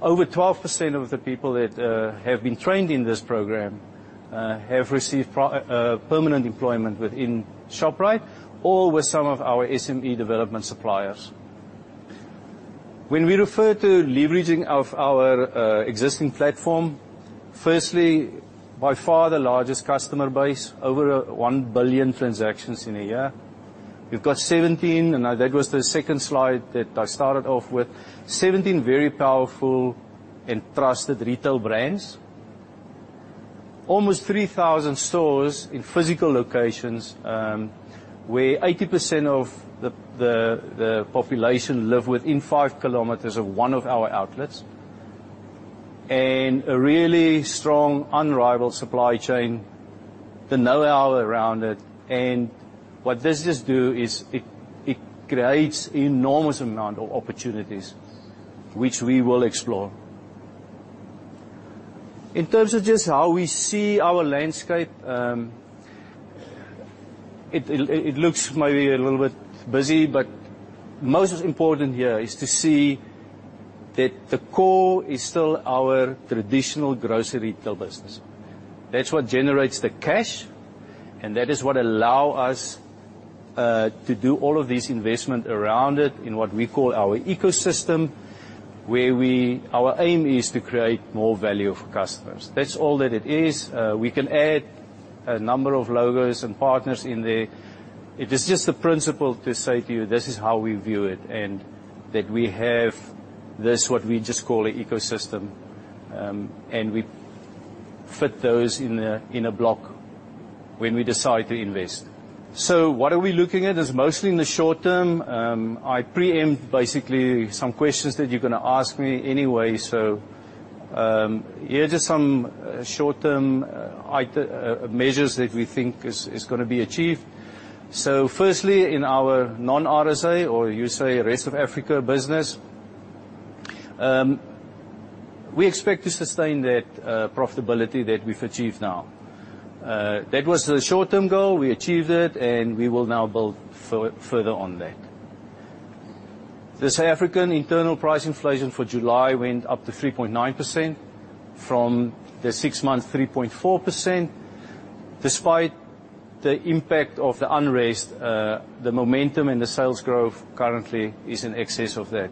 over 12% of the people that have been trained in this program have received permanent employment within Shoprite or with some of our SME development suppliers. When we refer to leveraging of our existing platform, firstly, by far the largest customer base, over 1 billion transactions in a year. We've got 17, that was the second slide that I started off with. 17 very powerful and trusted retail brands. Almost 3,000 stores in physical locations, where 80% of the population live within 5 km of one of our outlets. A really strong, unrivaled supply chain, the know-how around it. What this just do is it creates enormous amount of opportunities which we will explore. In terms of just how we see our landscape, it looks maybe a little bit busy, but most important here is to see that the core is still our traditional grocery retail business. That's what generates the cash, and that is what allow us to do all of this investment around it in what we call our ecosystem, where our aim is to create more value for customers. That's all that it is. We can add a number of logos and partners in there. It is just the principle to say to you, this is how we view it, and that we have this, what we just call a ecosystem, and we fit those in a block when we decide to invest. What are we looking at is mostly in the short term. I pre-empt basically some questions that you're going to ask me anyway. Here are just some short-term measures that we think is going to be achieved. Firstly, in our non-RSA, or you say, rest of Africa business, we expect to sustain that profitability that we've achieved now. That was the short-term goal. We achieved it, and we will now build further on that. The South African internal price inflation for July went up to 3.9% from the six month 3.4%. Despite the impact of the unrest, the momentum and the sales growth currently is in excess of that.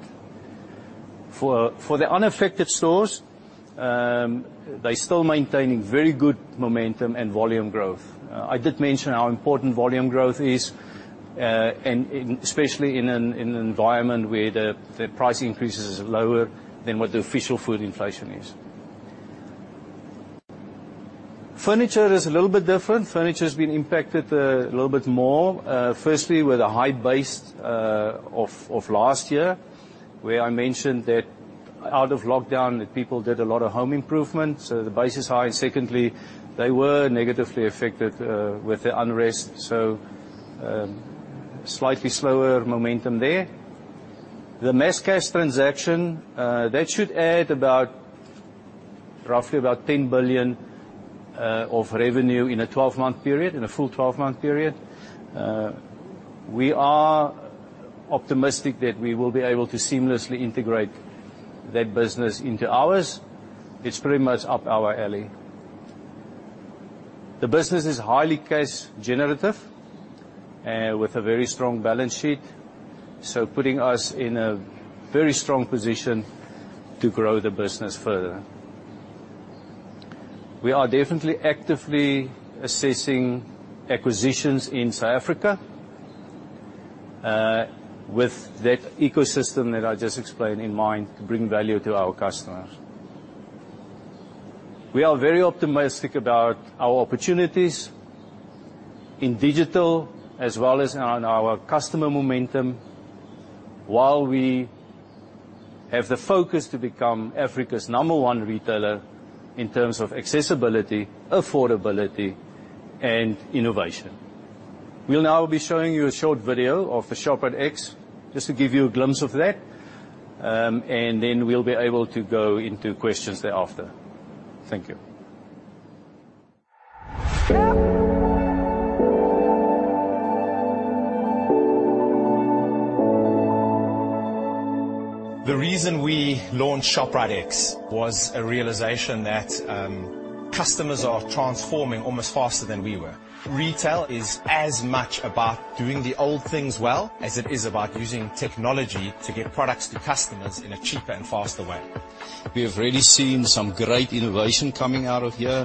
For the unaffected stores, they're still maintaining very good momentum and volume growth. I did mention how important volume growth is, and especially in an environment where the price increase is lower than what the official food inflation is. Furniture is a little bit different. Furniture has been impacted a little bit more. Firstly, with a high base of last year, where I mentioned that out of lockdown, that people did a lot of home improvements. So the base is high. And secondly, they were negatively affected with the unrest. So, slightly slower momentum there. The Masscash transaction, that should add roughly about 10 billion of revenue in a 12-month period, in a full 12-month period. We are optimistic that we will be able to seamlessly integrate that business into ours. It's pretty much up our alley. The business is highly cash generative and with a very strong balance sheet, so putting us in a very strong position to grow the business further. We are definitely actively assessing acquisitions in South Africa, with that ecosystem that I just explained in mind to bring value to our customers. We are very optimistic about our opportunities in digital as well as on our customer momentum, while we have the focus to become Africa's number 1 retailer in terms of accessibility, affordability, and innovation. We'll now be showing you a short video of ShopriteX, just to give you a glimpse of that. Then we'll be able to go into questions thereafter. Thank you. The reason we launched ShopriteX was a realization that customers are transforming almost faster than we were. Retail is as much about doing the old things well as it is about using technology to get products to customers in a cheaper and faster way. We have really seen some great innovation coming out of here.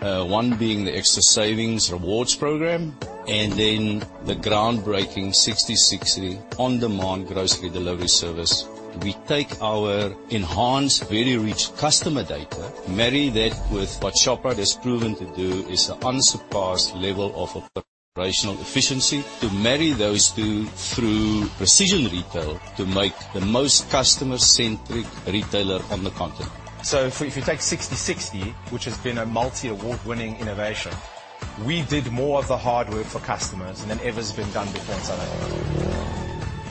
One being the Xtra Savings rewards program, and then the groundbreaking Sixty60 on-demand grocery delivery service. We take our enhanced, very rich customer data, marry that with what Shoprite has proven to do is an unsurpassed level of operational efficiency. To marry those two through precision retail to make the most customer-centric retailer on the continent. If you take Sixty60, which has been a multi award-winning innovation, we did more of the hard work for customers than ever has been done before in South Africa.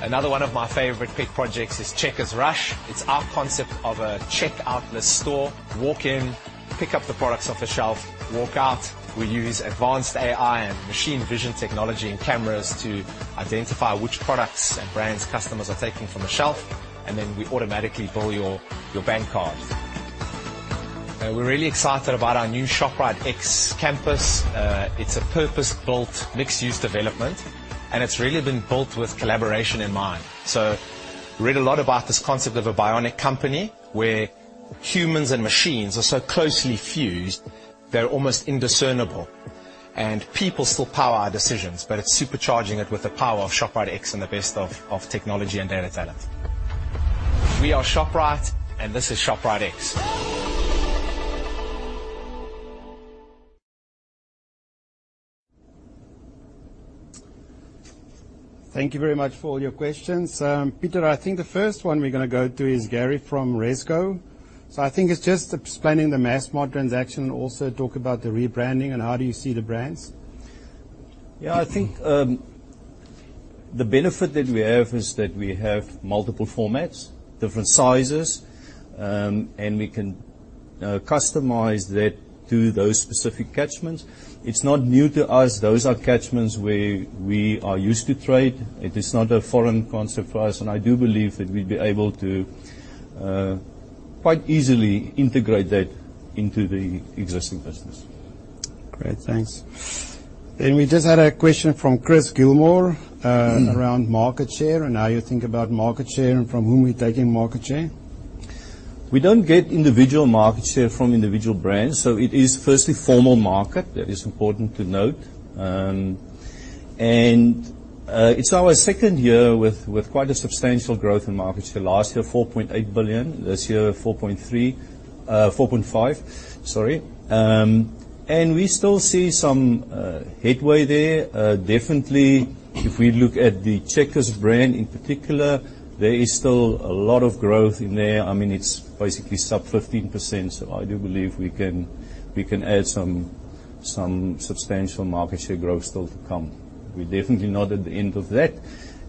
Another 1 of my favorite pet projects is Checkers Rush. It's our concept of a checkoutless store. Walk in, pick up the products off the shelf, walk out. We use advanced AI and machine vision technology and cameras to identify which products and brands customers are taking from the shelf, and then we automatically bill your bank card. We're really excited about our new ShopriteX campus. It's a purpose-built mixed-use development, and it's really been built with collaboration in mind. Read a lot about this concept of a bionic company, where humans and machines are so closely fused they're almost indiscernible. People still power our decisions, but it's supercharging it with the power of ShopriteX and the best of technology and data talent. We are Shoprite, and this is ShopriteX. Thank you very much for all your questions. Pieter, I think the first one we're going to go to is Gary from ResCo. I think it's just explaining the Massmart transaction and also talk about the rebranding and how do you see the brands. Yeah, I think, the benefit that we have is that we have multiple formats, different sizes, and we can customize that to those specific catchments. It's not new to us. Those are catchments where we are used to trade. It is not a foreign concept for us, and I do believe that we'll be able to quite easily integrate that into the existing business. Great. Thanks. We just had a question from Chris Gilmour around market share and how you think about market share and from whom we're taking market share. We don't get individual market share from individual brands. It is firstly formal market, that is important to note. It's our second year with quite a substantial growth in market share. Last year, 4.8 billion. This year, 4.3, 4.5, sorry. We still see some headway there. Definitely, if we look at the Checkers brand in particular, there is still a lot of growth in there. It's basically sub 15%, so I do believe we can add some substantial market share growth still to come. We're definitely not at the end of that.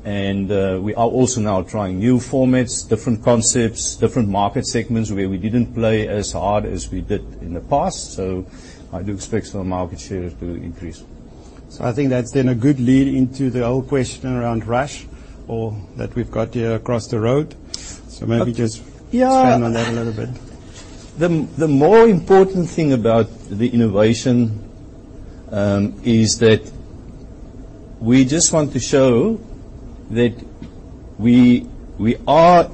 We are also now trying new formats, different concepts, different market segments where we didn't play as hard as we did in the past. I do expect some market shares to increase. I think that's then a good lead into the whole question around Rush, or that we've got here across the road. Yeah Maybe just expand on that a little bit. The more important thing about the innovation, is that we just want to show that we are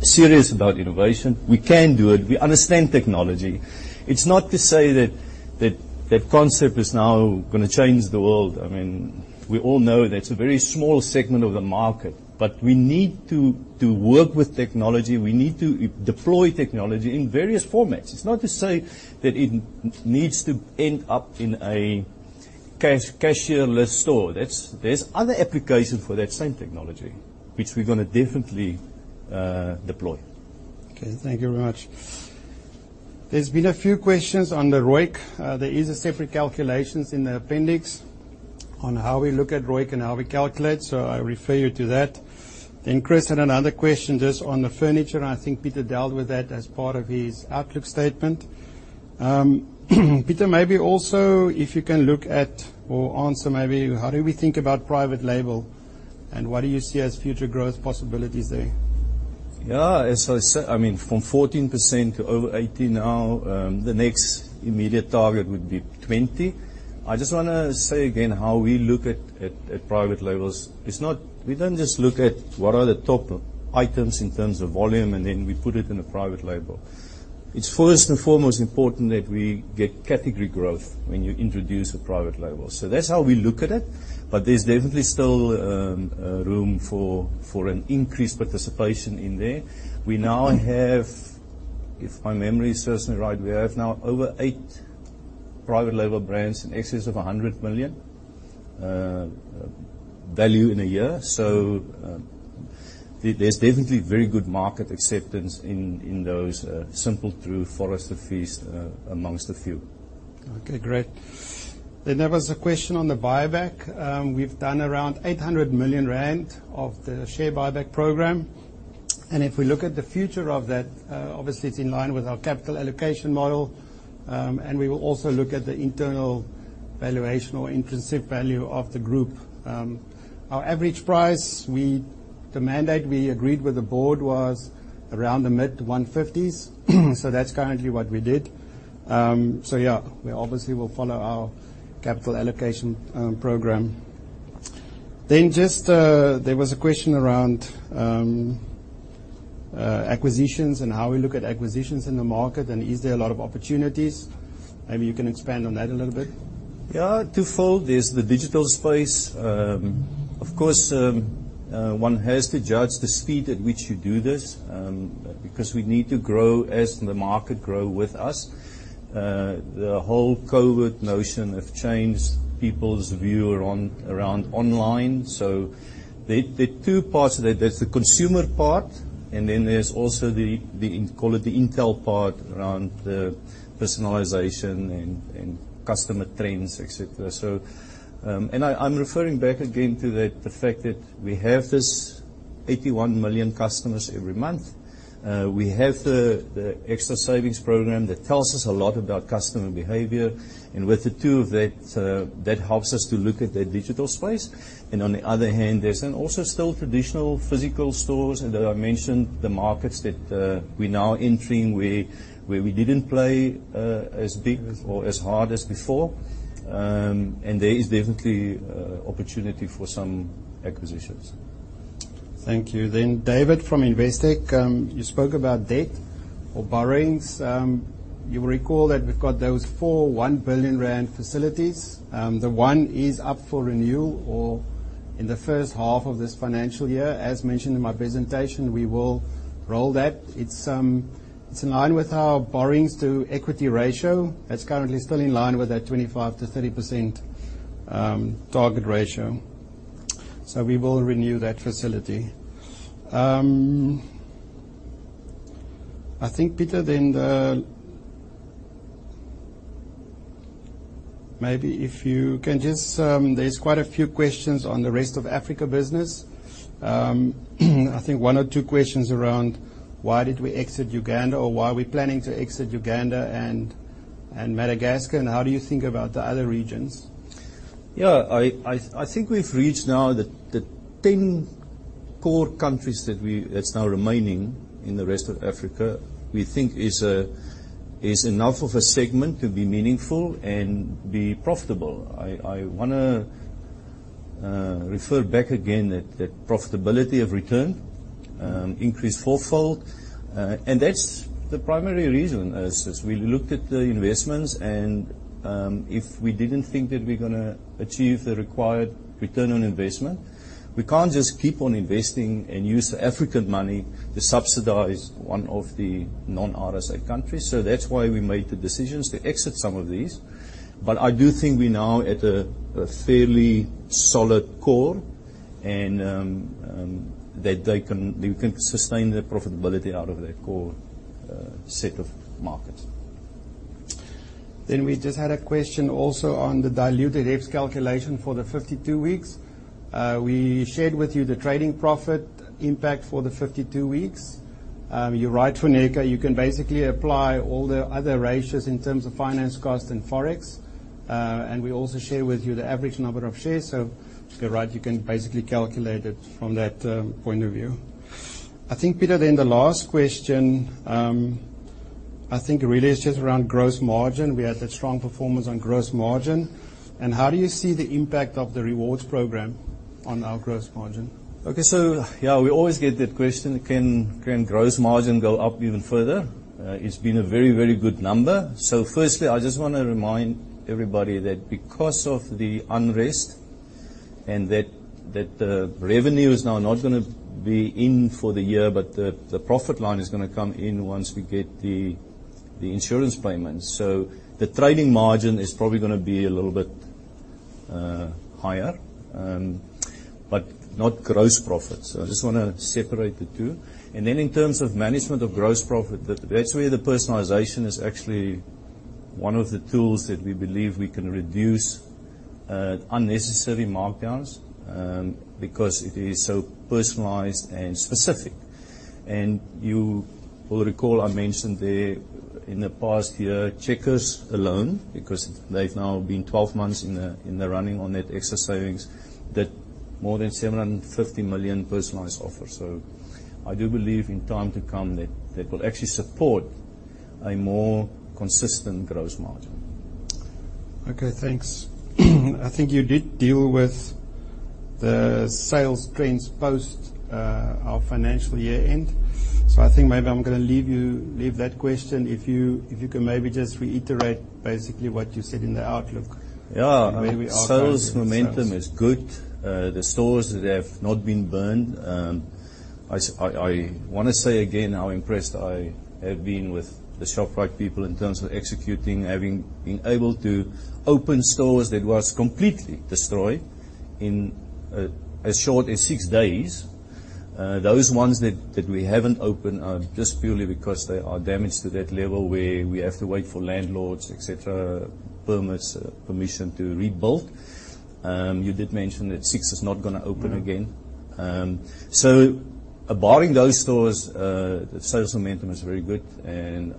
serious about innovation. We can do it. We understand technology. It's not to say that that concept is now gonna change the world. We all know that it's a very small segment of the market. We need to work with technology. We need to deploy technology in various formats. It's not to say that it needs to end up in a cashier-less store. There's other applications for that same technology, which we're gonna definitely deploy. Okay. Thank you very much. There's been a few questions on the ROIC. There is separate calculations in the appendix on how we look at ROIC and how we calculate. I refer you to that. Chris had another question just on the furniture. I think Pieter dealt with that as part of his outlook statement. Pieter, maybe also if you can look at or answer maybe how do we think about private label. What do you see as future growth possibilities there? As I say, from 14% to over 18% now. The next immediate target would be 20%. I just want to say again how we look at private labels. We don't just look at what are the top items in terms of volume and then we put it in a private label. It's first and foremost important that we get category growth when you introduce a private label. That's how we look at it, but there's definitely still room for an increased participation in there. We now have, if my memory serves me right, we have now over eight private label brands in excess of 100 million value in a year. There's definitely very good market acceptance in those, Simple Truth and Forage & Feast amongst a few. Okay. Great. There was a question on the buyback. We've done around 800 million rand of the share buyback program. If we look at the future of that, obviously it's in line with our capital allocation model. We will also look at the internal valuation or intrinsic value of the group. Our average price, the mandate we agreed with the board was around the mid-150s, so that's currently what we did. Yeah, we obviously will follow our capital allocation program. Just, there was a question around acquisitions and how we look at acquisitions in the market and is there a lot of opportunities. Maybe you can expand on that a little bit. Yeah. Twofold. There's the digital space. Of course, one has to judge the speed at which you do this, because we need to grow as the market grow with us. The whole COVID notion have changed people's view around online. There two parts to that. There's the consumer part, and then there's also the call it the intel part around personalization and customer trends, et cetera. I'm referring back again to the fact that we have this 81 million customers every month. We have the Xtra Savings program that tells us a lot about customer behavior. With the two of that helps us to look at that digital space. On the other hand, there's then also still traditional physical stores, and I mentioned the markets that we're now entering where we didn't play as big or as hard as before. There is definitely opportunity for some acquisitions. Thank you. David from Investec. You spoke about debt or borrowings. You will recall that we've got those 4.1 billion rand facilities. The one is up for renewal in the first half of this financial year. As mentioned in my presentation, we will roll that. It's in line with our borrowings to equity ratio. That's currently still in line with that 25%-30% target ratio. We will renew that facility. I think Pieter, maybe if you can just. There's quite a few questions on the rest of Africa business. I think one or two questions around why did we exit Uganda or why are we planning to exit Uganda and Madagascar, and how do you think about the other regions? Yeah. I think we've reached now the 10 core countries that's now remaining in the rest of Africa, we think is enough of a segment to be meaningful and be profitable. I wanna refer back again that profitability of return increased fourfold. That's the primary reason is we looked at the investments and if we didn't think that we're gonna achieve the required return on investment, we can't just keep on investing and use the African money to subsidize one of the non-RSA countries. That's why we made the decisions to exit some of these. I do think we're now at a fairly solid core, and that we can sustain the profitability out of that core set of markets. We just had a question also on the diluted HEPS calculation for the 52 weeks. We shared with you the trading profit impact for the 52 weeks. You're right, Funeka, you can basically apply all the other ratios in terms of finance cost and Forex. We also share with you the average number of shares. You're right, you can basically calculate it from that point of view. I think, Pieter, the last question really is just around gross margin. We had that strong performance on gross margin. How do you see the impact of the rewards program on our gross margin? Okay. Yeah, we always get that question, can gross margin go up even further? It's been a very, very good number. Firstly, I just want to remind everybody that because of the unrest and that the revenue is now not going to be in for the year. The profit line is going to come in once we get the insurance payments. The trading margin is probably going to be a little bit higher, but not gross profit. I just want to separate the two. Then in terms of management of gross profit, that's where the personalization is actually one of the tools that we believe we can reduce unnecessary markdowns, because it is so personalized and specific. You will recall I mentioned there in the past year, Checkers alone, because they've now been 12 months in the running on that Xtra Savings, did more than 750 million personalized offers. I do believe in time to come, that will actually support a more consistent gross margin. Okay, thanks. I think you did deal with the sales trends post our financial year end. I think maybe I'm going to leave that question, if you can maybe just reiterate basically what you said in the outlook. Yeah. Where we are currently with sales. Sales momentum is good. The stores that have not been burned, I want to say again how impressed I have been with the Shoprite people in terms of executing, having been able to open stores that was completely destroyed in as short as six days. Those ones that we haven't opened are just purely because they are damaged to that level where we have to wait for landlords, et cetera, permits, permission to rebuild. You did mention that six is not going to open again. Barring those stores, sales momentum is very good, and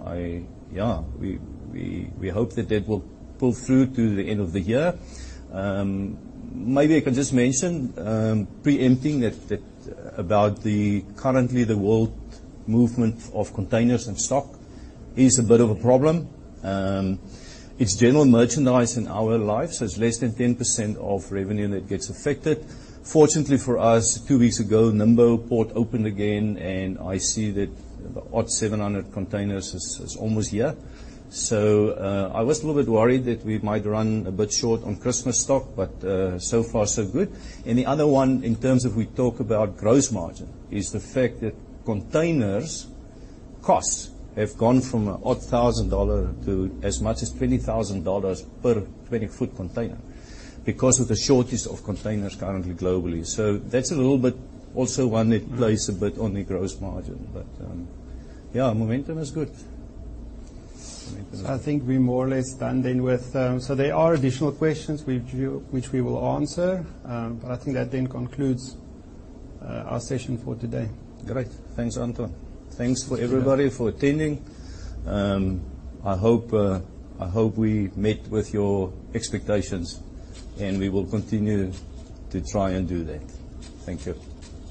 we hope that that will pull through to the end of the year. Maybe I can just mention, preempting that about currently the world movement of containers and stock is a bit of a problem. It's general merchandise in our lives, so it's less than 10% of revenue that gets affected. Fortunately for us, two weeks ago, Durban Port opened again. I see that odd 700 containers is almost here. I was a little bit worried that we might run a bit short on Christmas stock, so far so good. The other one, in terms of we talk about gross margin, is the fact that containers costs have gone from odd $1,000 to as much as $20,000 per 20-foot container because of the shortage of containers currently globally. That's a little bit also one that plays a bit on the gross margin. Momentum is good. There are additional questions which we will answer. I think that then concludes our session for today. Great. Thanks, Anton. Thanks for everybody for attending. I hope we met with your expectations, and we will continue to try and do that. Thank you.